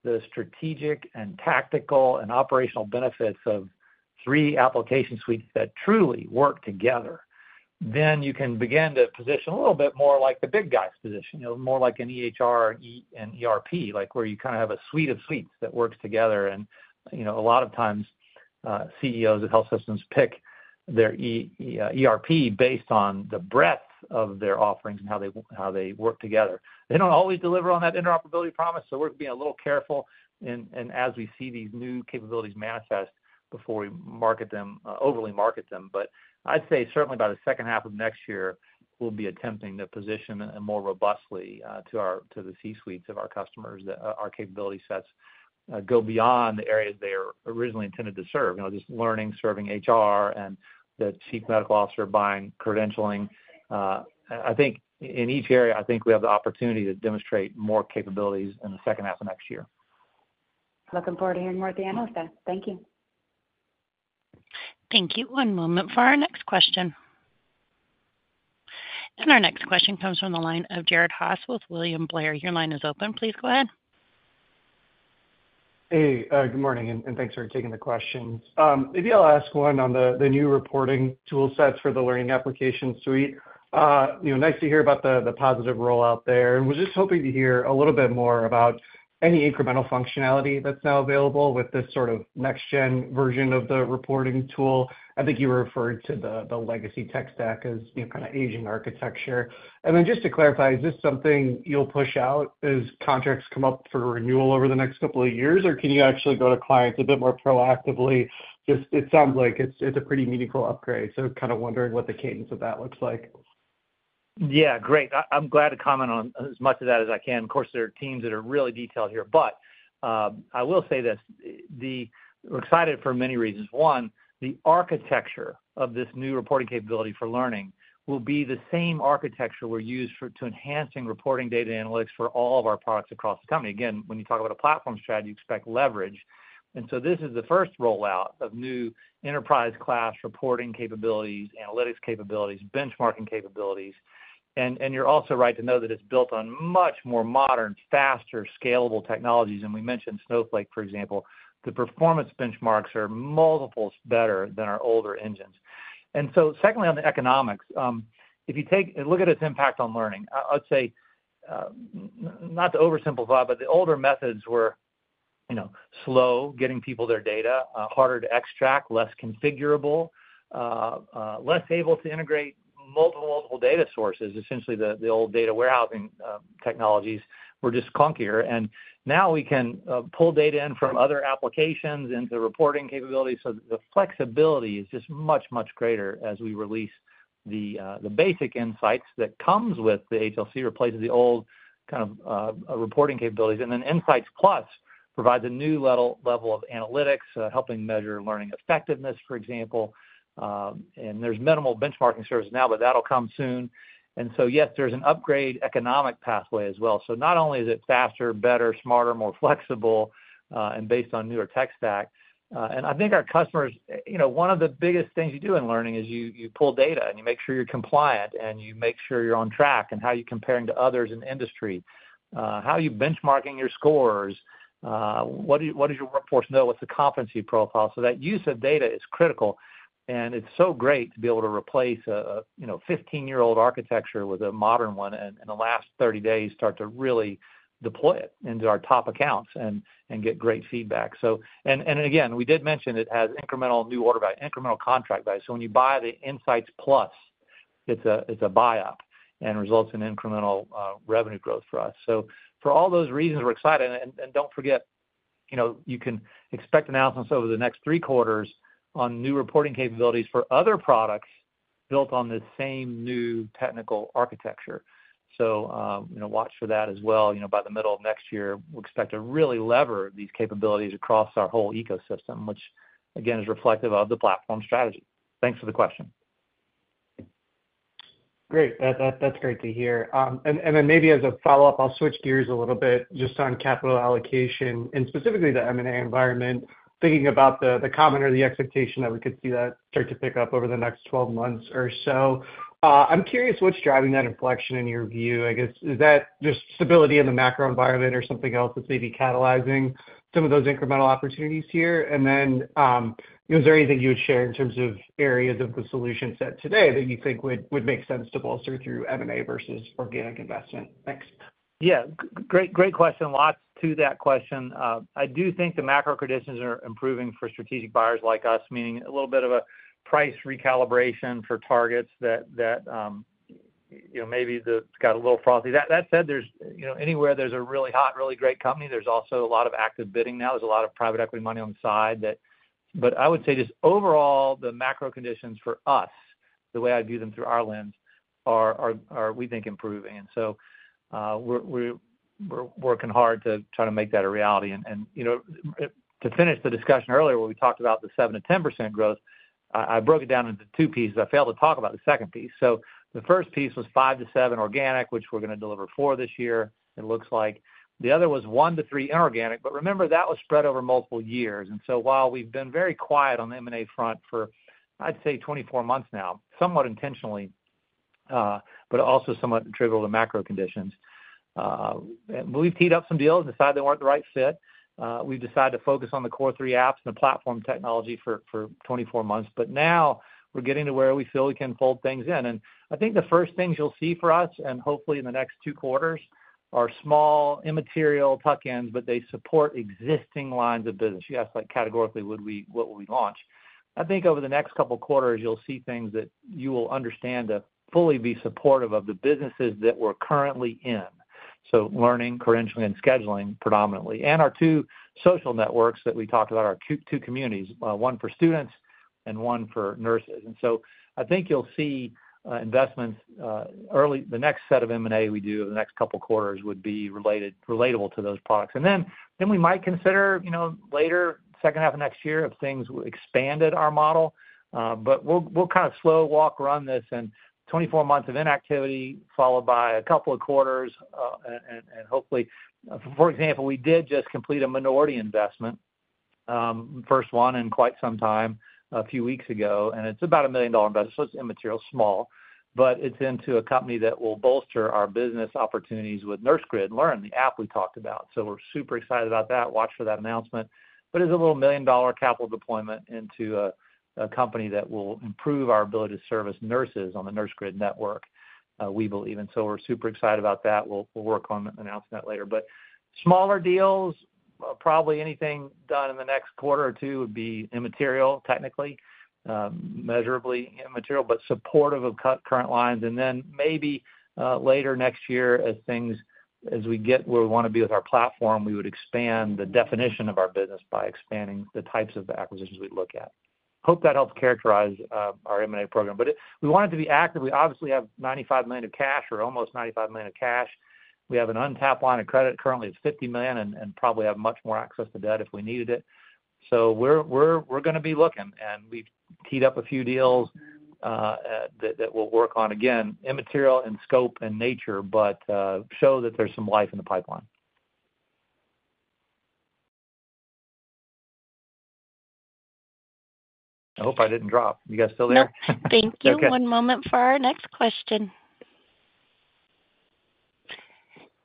the strategic and tactical and operational benefits of three application suites that truly work together, then you can begin to position a little bit more like the big guys position, you know, more like an EHR and ERP, like where you kind of have a suite of suites that works together. You know, a lot of times, CEOs of health systems pick their ERP based on the breadth of their offerings and how they work together. They don't always deliver on that interoperability promise, so we're being a little careful, and as we see these new capabilities manifest before we market them, overly market them. But I'd say certainly by the second half of next year, we'll be attempting to position more robustly to the C-suites of our customers, that our capability sets go beyond the areas they are originally intended to serve. You know, just learning, serving HR, and the chief medical officer buying credentialing. I think in each area, we have the opportunity to demonstrate more capabilities in the second half of next year. Looking forward to hearing more at the Analyst Day. Thank you. Thank you. One moment for our next question. And our next question comes from the line of Jared Haase with William Blair. Your line is open. Please go ahead. Hey, good morning, and thanks for taking the questions. Maybe I'll ask one on the new reporting tool sets for the Learning Application Suite. You know, nice to hear about the positive rollout there. And I was just hoping to hear a little bit more about any incremental functionality that's now available with this sort of next-gen version of the reporting tool. I think you referred to the legacy tech stack as, you know, kind of aging architecture. And then just to clarify, is this something you'll push out as contracts come up for renewal over the next couple of years, or can you actually go to clients a bit more proactively? Just, it sounds like it's a pretty meaningful upgrade, so kind of wondering what the cadence of that looks like. Yeah, great. I'm glad to comment on as much of that as I can. Of course, there are teams that are really detailed here, but I will say this, we're excited for many reasons. One, the architecture of this new reporting capability for Learning will be the same architecture we're used for to enhancing reporting data analytics for all of our products across the company. Again, when you talk about a platform strategy, you expect leverage. And so this is the first rollout of new enterprise-class reporting capabilities, analytics capabilities, benchmarking capabilities. And you're also right to know that it's built on much more modern, faster, scalable technologies. And we mentioned Snowflake, for example. The performance benchmarks are multiples better than our older engines. And so secondly, on the economics, if you take a look at its impact on Learning, I'd say, not to oversimplify, but the older methods were, you know, slow getting people their data, harder to extract, less configurable, less able to integrate multiple data sources. Essentially, the old data warehousing technologies were just clunkier, and now we can pull data in from other applications into the reporting capabilities. So the flexibility is just much greater as we release the basic insights that comes with the HLC, replaces the old kind of reporting capabilities. And then Insights+ provides a new level of analytics, helping measure learning effectiveness, for example. And there's minimal benchmarking services now, but that'll come soon. And so, yes, there's an upgrade economic pathway as well. So not only is it faster, better, smarter, more flexible, and based on newer tech stack, and I think our customers, one of the biggest things you do in Learning is you pull data, and you make sure you're compliant, and you make sure you're on track, and how you're comparing to others in the industry, how you're benchmarking your scores, what does your workforce know? What's the competency profile? So that use of data is critical, and it's so great to be able to replace a fifteen-year-old architecture with a modern one, and in the last thirty days, start to really deploy it into our top accounts and get great feedback. So, and again, we did mention it has incremental new order value, incremental contract value. So when you buy the Insights+, it's a buy-up and results in incremental revenue growth for us. So for all those reasons, we're excited. And don't forget, you can expect announcements over the next three quarters on new reporting capabilities for other products built on this same new technical architecture. So, watch for that as well. You know, by the middle of next year, we expect to really lever these capabilities across our whole ecosystem, which, again, is reflective of the platform strategy. Thanks for the question. Great. That, great to hear. And then maybe as a follow-up, I'll switch gears a little bit just on capital allocation and specifically the M&A environment, thinking about the common or the expectation that we could see that start to pick up over the next twelve months or so. I'm curious, what's driving that inflection in your view? I guess, is that just stability in the macro environment or something else that's maybe catalyzing some of those incremental opportunities here? And then, is there anything you would share in terms of areas of the solution set today that you think would make sense to bolster through M&A versus organic investment? Thanks. Yeah, great question. Lots to that question. I do think the macro conditions are improving for strategic buyers like us, meaning a little bit of a price recalibration for targets that, maybe got a little frothy. That said, there's, anywhere there's a really hot, really great company, there's also a lot of active bidding now. There's a lot of private equity money on the side that... But I would say, just overall, the macro conditions for us, the way I view them through our lens, are we think improving. And so, we're working hard to try to make that a reality. And you know, to finish the discussion earlier, where we talked about the 7%-10% growth, I broke it down into two pieces. I failed to talk about the second piece, so the first piece was five to seven organic, which we're going to deliver four this year, it looks like. The other was one to three inorganic, but remember, that was spread over multiple years, and so while we've been very quiet on the M&A front for, I'd say, 24 months now, somewhat intentionally, but also somewhat attributable to macro conditions, we've teed up some deals, decided they weren't the right fit. We've decided to focus on the core three apps and the platform technology for 24 months, but now, we're getting to where we feel we can fold things in, and I think the first things you'll see for us, and hopefully in the next two quarters, are small, immaterial tuck-ins, but they support existing lines of business. You asked, like, categorically, would we- what will we launch? I think over the next couple quarters, you'll see things that you will understand to fully be supportive of the businesses that we're currently in, so learning, credentialing, and scheduling, predominantly, and our two social networks that we talked about, our two communities, one for students and one for nurses. And so I think you'll see investments. The next set of M&A we do over the next couple of quarters would be related, relatable to those products. And then we might consider, you know, later, second half of next year, if things expanded our model, but we'll kind of slow walk, run this and twenty-four months of inactivity, followed by a couple of quarters, and hopefully. For example, we did just complete a minority investment, first one in quite some time, a few weeks ago, and it's about a $1 million investment, so it's immaterial, small, but it's into a company that will bolster our business opportunities with NurseGrid Learn, the app we talked about. So we're super excited about that. Watch for that announcement. But it's a little $1 million capital deployment into a company that will improve our ability to service nurses on the NurseGrid network, we believe. And so we're super excited about that. We'll work on announcing that later. But smaller deals, probably anything done in the next quarter or two would be immaterial, technically, measurably immaterial, but supportive of current lines. Then maybe later next year, as we get where we want to be with our platform, we would expand the definition of our business by expanding the types of acquisitions we'd look at. Hope that helps characterize our M&A program. But we want it to be active. We obviously have $95 million of cash or almost $95 million of cash. We have an untapped line of credit. Currently, it's $50 million, and probably have much more access to debt if we needed it. So we're going to be looking, and we've teed up a few deals that we'll work on, again, immaterial in scope and nature, but show that there's some life in the pipeline. I hope I didn't drop. You guys still there? Nope. Okay. Thank you. One moment for our next question.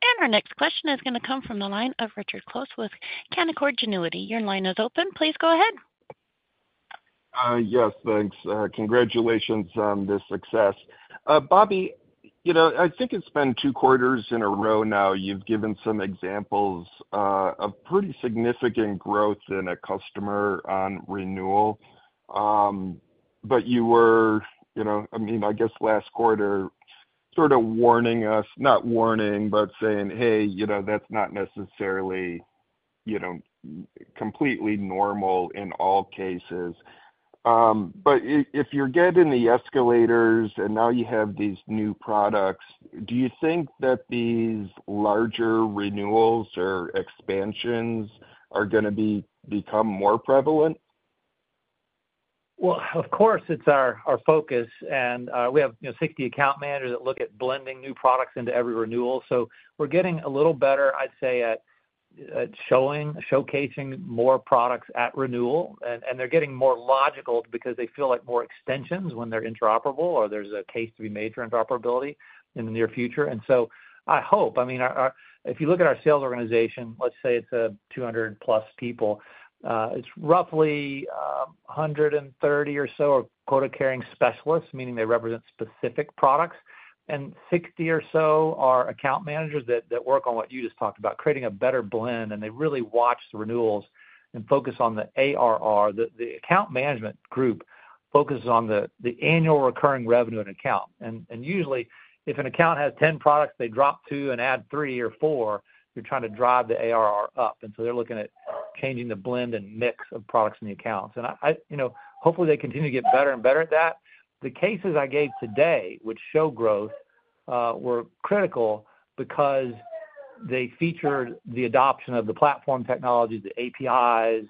And our next question is gonna come from the line of Richard Close with Canaccord Genuity. Your line is open. Please go ahead. Yes, thanks. Congratulations on this success. Bobby, you know, I think it's been two quarters in a row now, you've given some examples of pretty significant growth in a customer on renewal. But you were, you know, I mean, I guess last quarter, sort of warning us, not warning, but saying, "Hey, you know, that's not necessarily, you know, completely normal in all cases." But if you're getting the escalators and now you have these new products, do you think that these larger renewals or expansions are going to become more prevalent? Well, of course, it's our focus, and we have, 60 account managers that look at blending new products into every renewal. So we're getting a little better, I'd say, at showing, showcasing more products at renewal. And they're getting more logical because they feel like more extensions when they're interoperable or there's a case to be made for interoperability in the near future. And so I hope. I mean, our sales organization. If you look at our sales organization, let's say it's 200-plus people, it's roughly 130 or so are quota-carrying specialists, meaning they represent specific products, and 60 or so are account managers that work on what you just talked about, creating a better blend, and they really watch the renewals and focus on the ARR. The account management group focuses on the annual recurring revenue in an account. Usually, if an account has 10 products, they drop two and add three or four. They're trying to drive the ARR up, and so they're looking at changing the blend and mix of products in the accounts. And I. You know, hopefully, they continue to get better and better at that. The cases I gave today, which show growth, were critical because they featured the adoption of the platform technology, the APIs,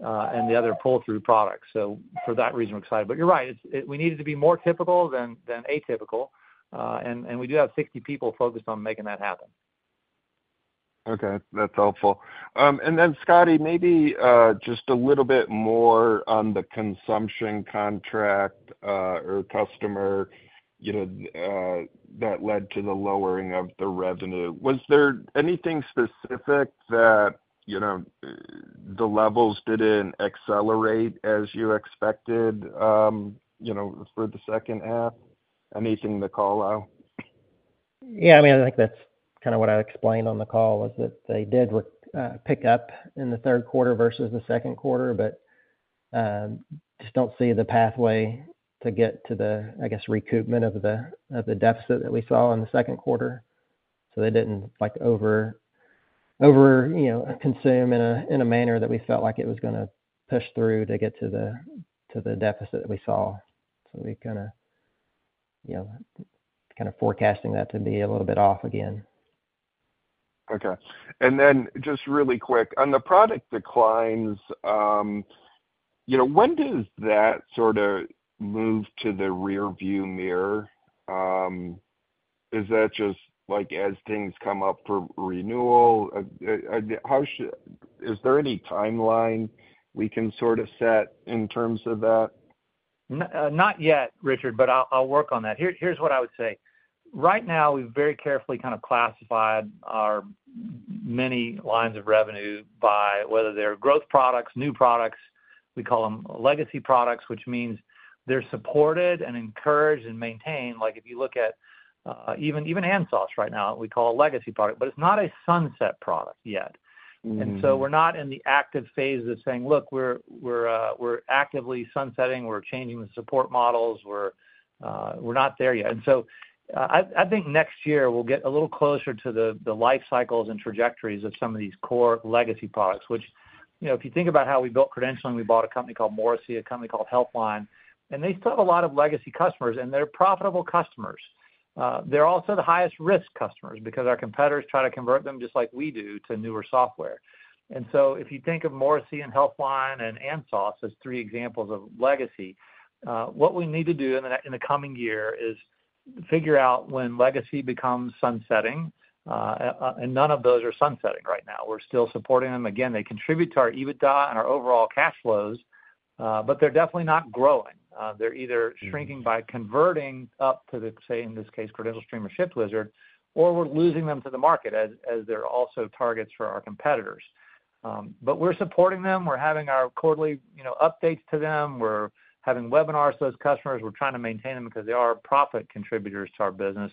and the other pull-through products. So for that reason, we're excited. But you're right, it's, we need it to be more typical than atypical, and we do have 60 people focused on making that happen. Okay, that's helpful, and then, Scotty, maybe just a little bit more on the consumption contract or customer, you know, that led to the lowering of the revenue. Was there anything specific that, you know, the levels didn't accelerate as you expected, you know, for the second half? Anything in the call out? Yeah, I mean, I think that's kind of what I explained on the call, was that they did pick up in the third quarter versus the second quarter, but just don't see the pathway to get to the, I guess, recoupment of the deficit that we saw in the second quarter. So they didn't like over, you know, consume in a manner that we felt like it was going to push through to get to the deficit we saw. So we kind of forecasting that to be a little bit off again. Okay. And then just really quick, on the product declines, you know, when does that sort of move to the rearview mirror? Is that just like, as things come up for renewal? Is there any timeline we can sort of set in terms of that? Not yet, Richard, but I'll work on that. Here's what I would say. Right now, we've very carefully kind of classified our many lines of revenue by whether they're growth products, new products, we call them legacy products, which means they're supported and encouraged and maintained. Like, if you look at even ANSOS right now, we call a legacy product, but it's not a sunset product yet. And so we're not in the active phase of saying: Look, we're actively sunsetting, we're changing the support models, we're not there yet. And so I think next year, we'll get a little closer to the life cycles and trajectories of some of these core legacy products, which, you know, if you think about how we built Credential, and we bought a company called Morrisey, a company called HealthLine, and they still have a lot of legacy customers, and they're profitable customers. They're also the highest risk customers because our competitors try to convert them, just like we do, to newer software. If you think of Morrisey and HealthLine and ANSOS as three examples of legacy, what we need to do in the coming year is figure out when legacy becomes sunsetting, and none of those are sunsetting right now. We're still supporting them. Again, they contribute to our EBITDA and our overall cash flows, but they're definitely not growing. They're either shrinking by converting up to the, say, in this case, CredentialStream or ShiftWizard, or we're losing them to the market as they're also targets for our competitors. But we're supporting them. We're having our quarterly, updates to them. We're having webinars to those customers. We're trying to maintain them because they are profit contributors to our business.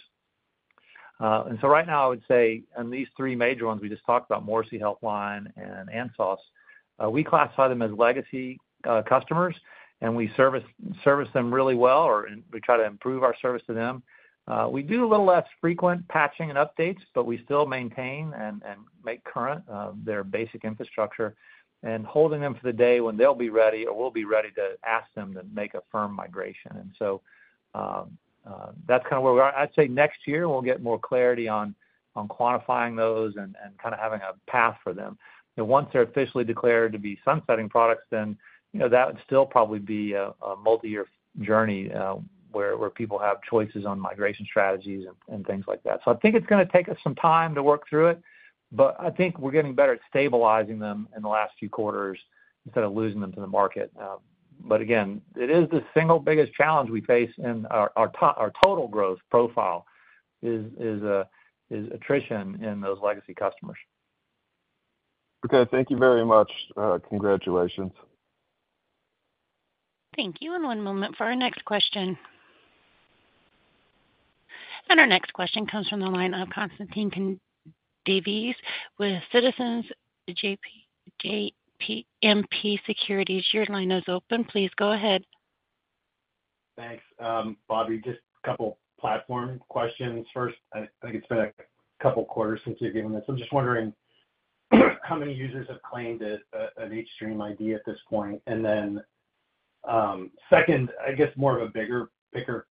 And so right now, I would say on these three major ones we just talked about, Morrisey, HealthLine, and ANSOS, we classify them as legacy customers, and we service them really well, and we try to improve our service to them. We do a little less frequent patching and updates, but we still maintain and make current their basic infrastructure, and holding them for the day when they'll be ready or we'll be ready to ask them to make a firm migration. And so, that's kind of where we are. I'd say next year, we'll get more clarity on quantifying those and kind of having a path for them. But once they're officially declared to be sunsetting products, then that would still probably be a multi-year journey, where people have choices on migration strategies and things like that. So I think it's going to take us some time to work through it, but I think we're getting better at stabilizing them in the last few quarters instead of losing them to the market. But again, it is the single biggest challenge we face in our total growth profile is attrition in those legacy customers. Okay. Thank you very much. Congratulations. Thank you. And one moment for our next question. And our next question comes from the line of Constantine Davides with Citizens JMP Securities. Your line is open. Please go ahead. Thanks. Bobby, just a couple platform questions. First, I think it's been a couple quarters since you've given this, so I'm just wondering, how many users have claimed it, an hStream ID at this point? And then, second, I guess more of a bigger picture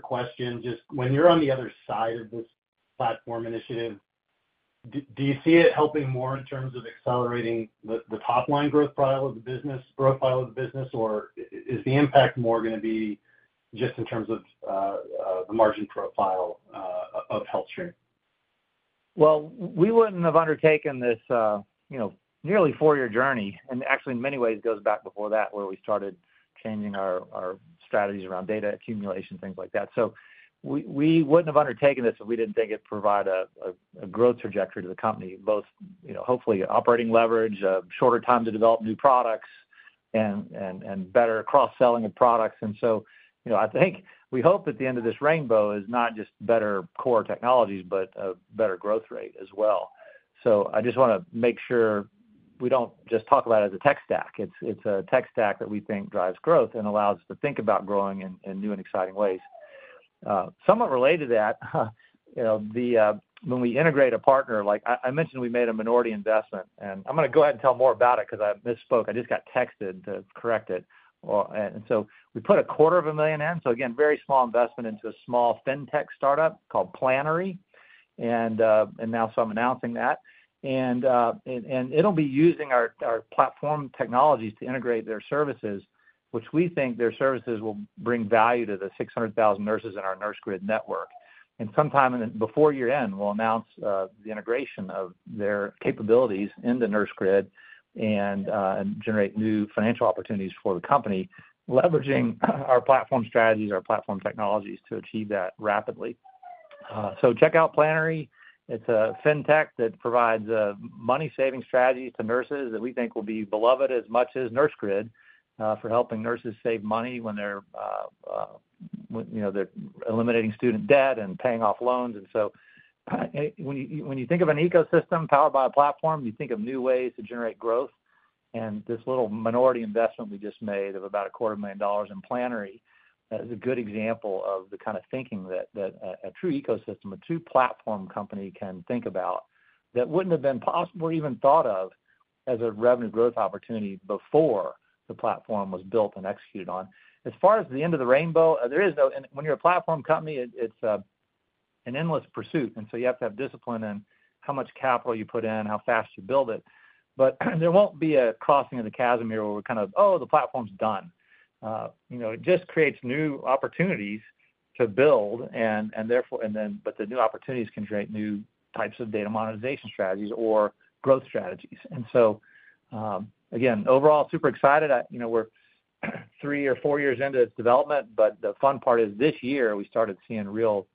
question, just when you're on the other side of this platform initiative, do you see it helping more in terms of accelerating the top line growth profile of the business, or is the impact more gonna be just in terms of the margin profile of HealthStream? We wouldn't have undertaken this, you know, nearly four-year journey, and actually, in many ways, it goes back before that, where we started changing our strategies around data accumulation, things like that. So we wouldn't have undertaken this if we didn't think it'd provide a growth trajectory to the company, both hopefully, operating leverage, a shorter time to develop new products and better cross-selling of products. And so, you know, I think we hope at the end of this rainbow is not just better core technologies, but a better growth rate as well. So I just want to make sure we don't just talk about it as a tech stack. It's a tech stack that we think drives growth and allows us to think about growing in new and exciting ways. Somewhat related to that, when we integrate a partner, like I mentioned we made a minority investment, and I'm going to go ahead and tell more about it 'cause I misspoke. I just got texted to correct it. Well, and so we put $250,000 in, so again, very small investment into a small fintech startup called Planery. And it'll be using our platform technologies to integrate their services, which we think their services will bring value to the 600,000 nurses in our NurseGrid network. And sometime before year-end, we'll announce the integration of their capabilities into NurseGrid and generate new financial opportunities for the company, leveraging our platform strategies, our platform technologies, to achieve that rapidly. So check out Planery. It's a fintech that provides money-saving strategies to nurses that we think will be beloved as much as NurseGrid for helping nurses save money when they're, you know, eliminating student debt and paying off loans. And so, when you think of an ecosystem powered by a platform, you think of new ways to generate growth, and this little minority investment we just made of about $250,000 in Planery, that is a good example of the kind of thinking that a true ecosystem, a true platform company can think about that wouldn't have been possible or even thought of as a revenue growth opportunity before the platform was built and executed on. As far as the end of the rainbow, there is, though, and when you're a platform company, it, it's, an endless pursuit, and so you have to have discipline in how much capital you put in, how fast you build it. But there won't be a crossing of the chasm here, where we're kind of, "Oh, the platform's done." you know, it just creates new opportunities to build, and therefore. And then, but the new opportunities can create new types of data monetization strategies or growth strategies. And so, again, overall, super excited. I we're, three or four years into its development, but the fun part is, this year, we started seeing real,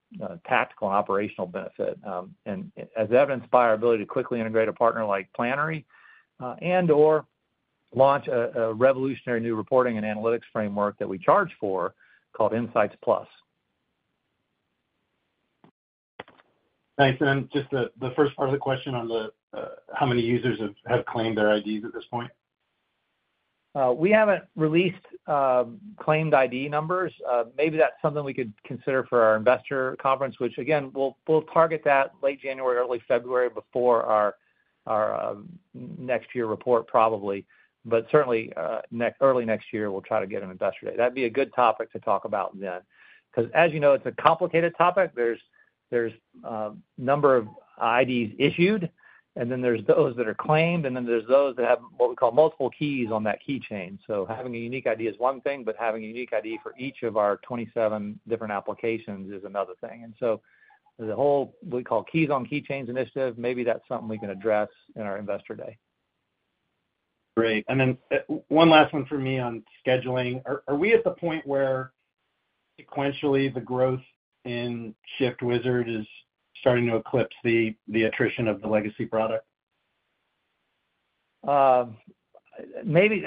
tactical and operational benefit. and as evidenced by our ability to quickly integrate a partner like Planery, and/or launch a revolutionary new reporting and analytics framework that we charge for, called Insights+. Thanks. And then just the first part of the question on the how many users have claimed their IDs at this point? We haven't released claimed ID numbers. Maybe that's something we could consider for our investor conference, which, again, we'll target that late January, early February, before our next year report, probably. But certainly, early next year, we'll try to get an investor day. That'd be a good topic to talk about then. 'Cause as you know, it's a complicated topic. There's number of IDs issued, and then there's those that are claimed, and then there's those that have what we call multiple keys on that keychain. So having a unique ID is one thing, but having a unique ID for each of our twenty-seven different applications is another thing. And so the whole we call Keys on Keychains initiative, maybe that's something we can address in our investor day. Great. And then, one last one for me on scheduling. Are we at the point where sequentially, the growth in ShiftWizard is starting to eclipse the attrition of the legacy product? Maybe.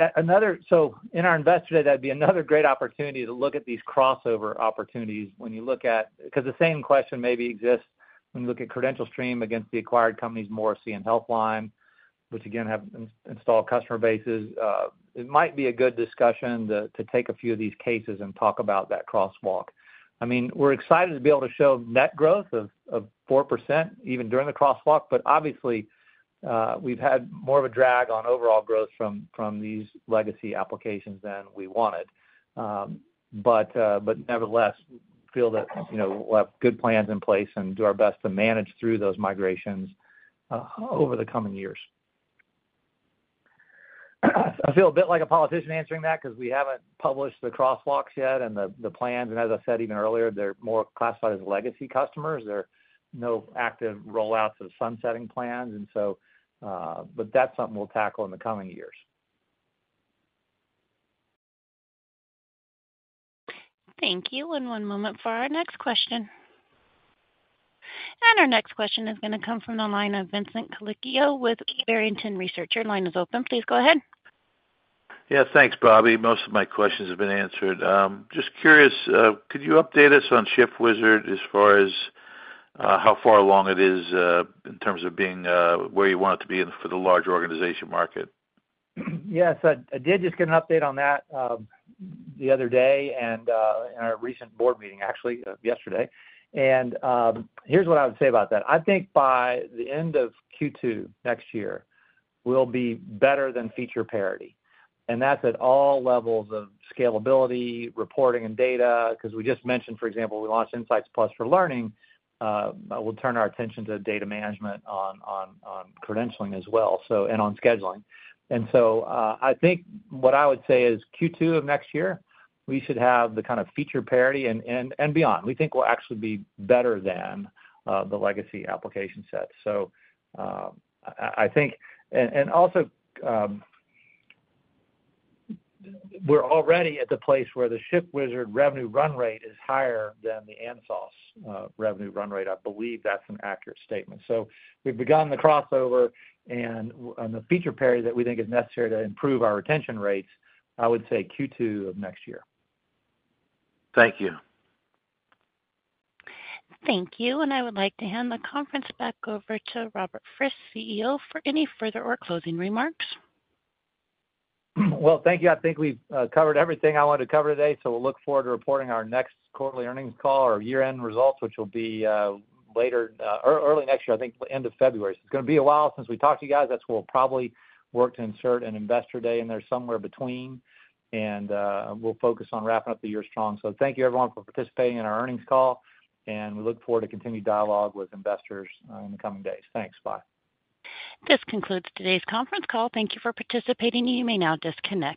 So in our Investor Day, that'd be another great opportunity to look at these crossover opportunities when you look at, 'cause the same question maybe exists when you look at CredentialStream against the acquired companies, Morrisey and HealthLine, which again, have installed customer bases. It might be a good discussion to take a few of these cases and talk about that crosswalk. I mean, we're excited to be able to show net growth of 4%, even during the crosswalk, but obviously, we've had more of a drag on overall growth from these legacy applications than we wanted. But nevertheless, feel that, we'll have good plans in place and do our best to manage through those migrations over the coming years. I feel a bit like a politician answering that 'cause we haven't published the crosswalks yet and the plans, and as I said even earlier, they're more classified as legacy customers. There are no active rollouts of sunsetting plans, and so, but that's something we'll tackle in the coming years. Thank you, and one moment for our next question, and our next question is going to come from the line of Vincent Colicchio with Barrington Research. Your line is open. Please go ahead. Yeah, thanks, Bobby. Most of my questions have been answered. Just curious, could you update us on ShiftWizard as far as how far along it is in terms of being where you want it to be in for the large organization market? Yes, I did just get an update on that the other day, and in our recent board meeting, actually, yesterday, and here's what I would say about that. I think by the end of Q2 next year, we'll be better than feature parity, and that's at all levels of scalability, reporting, and data. 'Cause we just mentioned, for example, we launched Insights+ for learning. We'll turn our attention to data management on credentialing as well, so and on scheduling, and so I think what I would say is Q2 of next year, we should have the kind of feature parity and beyond. We think we'll actually be better than the legacy application set, so I think... We're already at the place where the ShiftWizard revenue run rate is higher than the ANSOS revenue run rate. I believe that's an accurate statement. We've begun the crossover and the feature parity that we think is necessary to improve our retention rates. I would say Q2 of next year. Thank you. Thank you, and I would like to hand the conference back over to Robert Frist, CEO, for any further or closing remarks. Thank you. I think we've covered everything I wanted to cover today, so we'll look forward to reporting our next quarterly earnings call, our year-end results, which will be later early next year, I think the end of February. It's going to be a while since we talked to you guys. We'll probably work to insert an investor day in there somewhere between, and we'll focus on wrapping up the year strong. Thank you everyone for participating in our earnings call, and we look forward to continued dialogue with investors in the coming days. Thanks. Bye. This concludes today's conference call. Thank you for participating. You may now disconnect.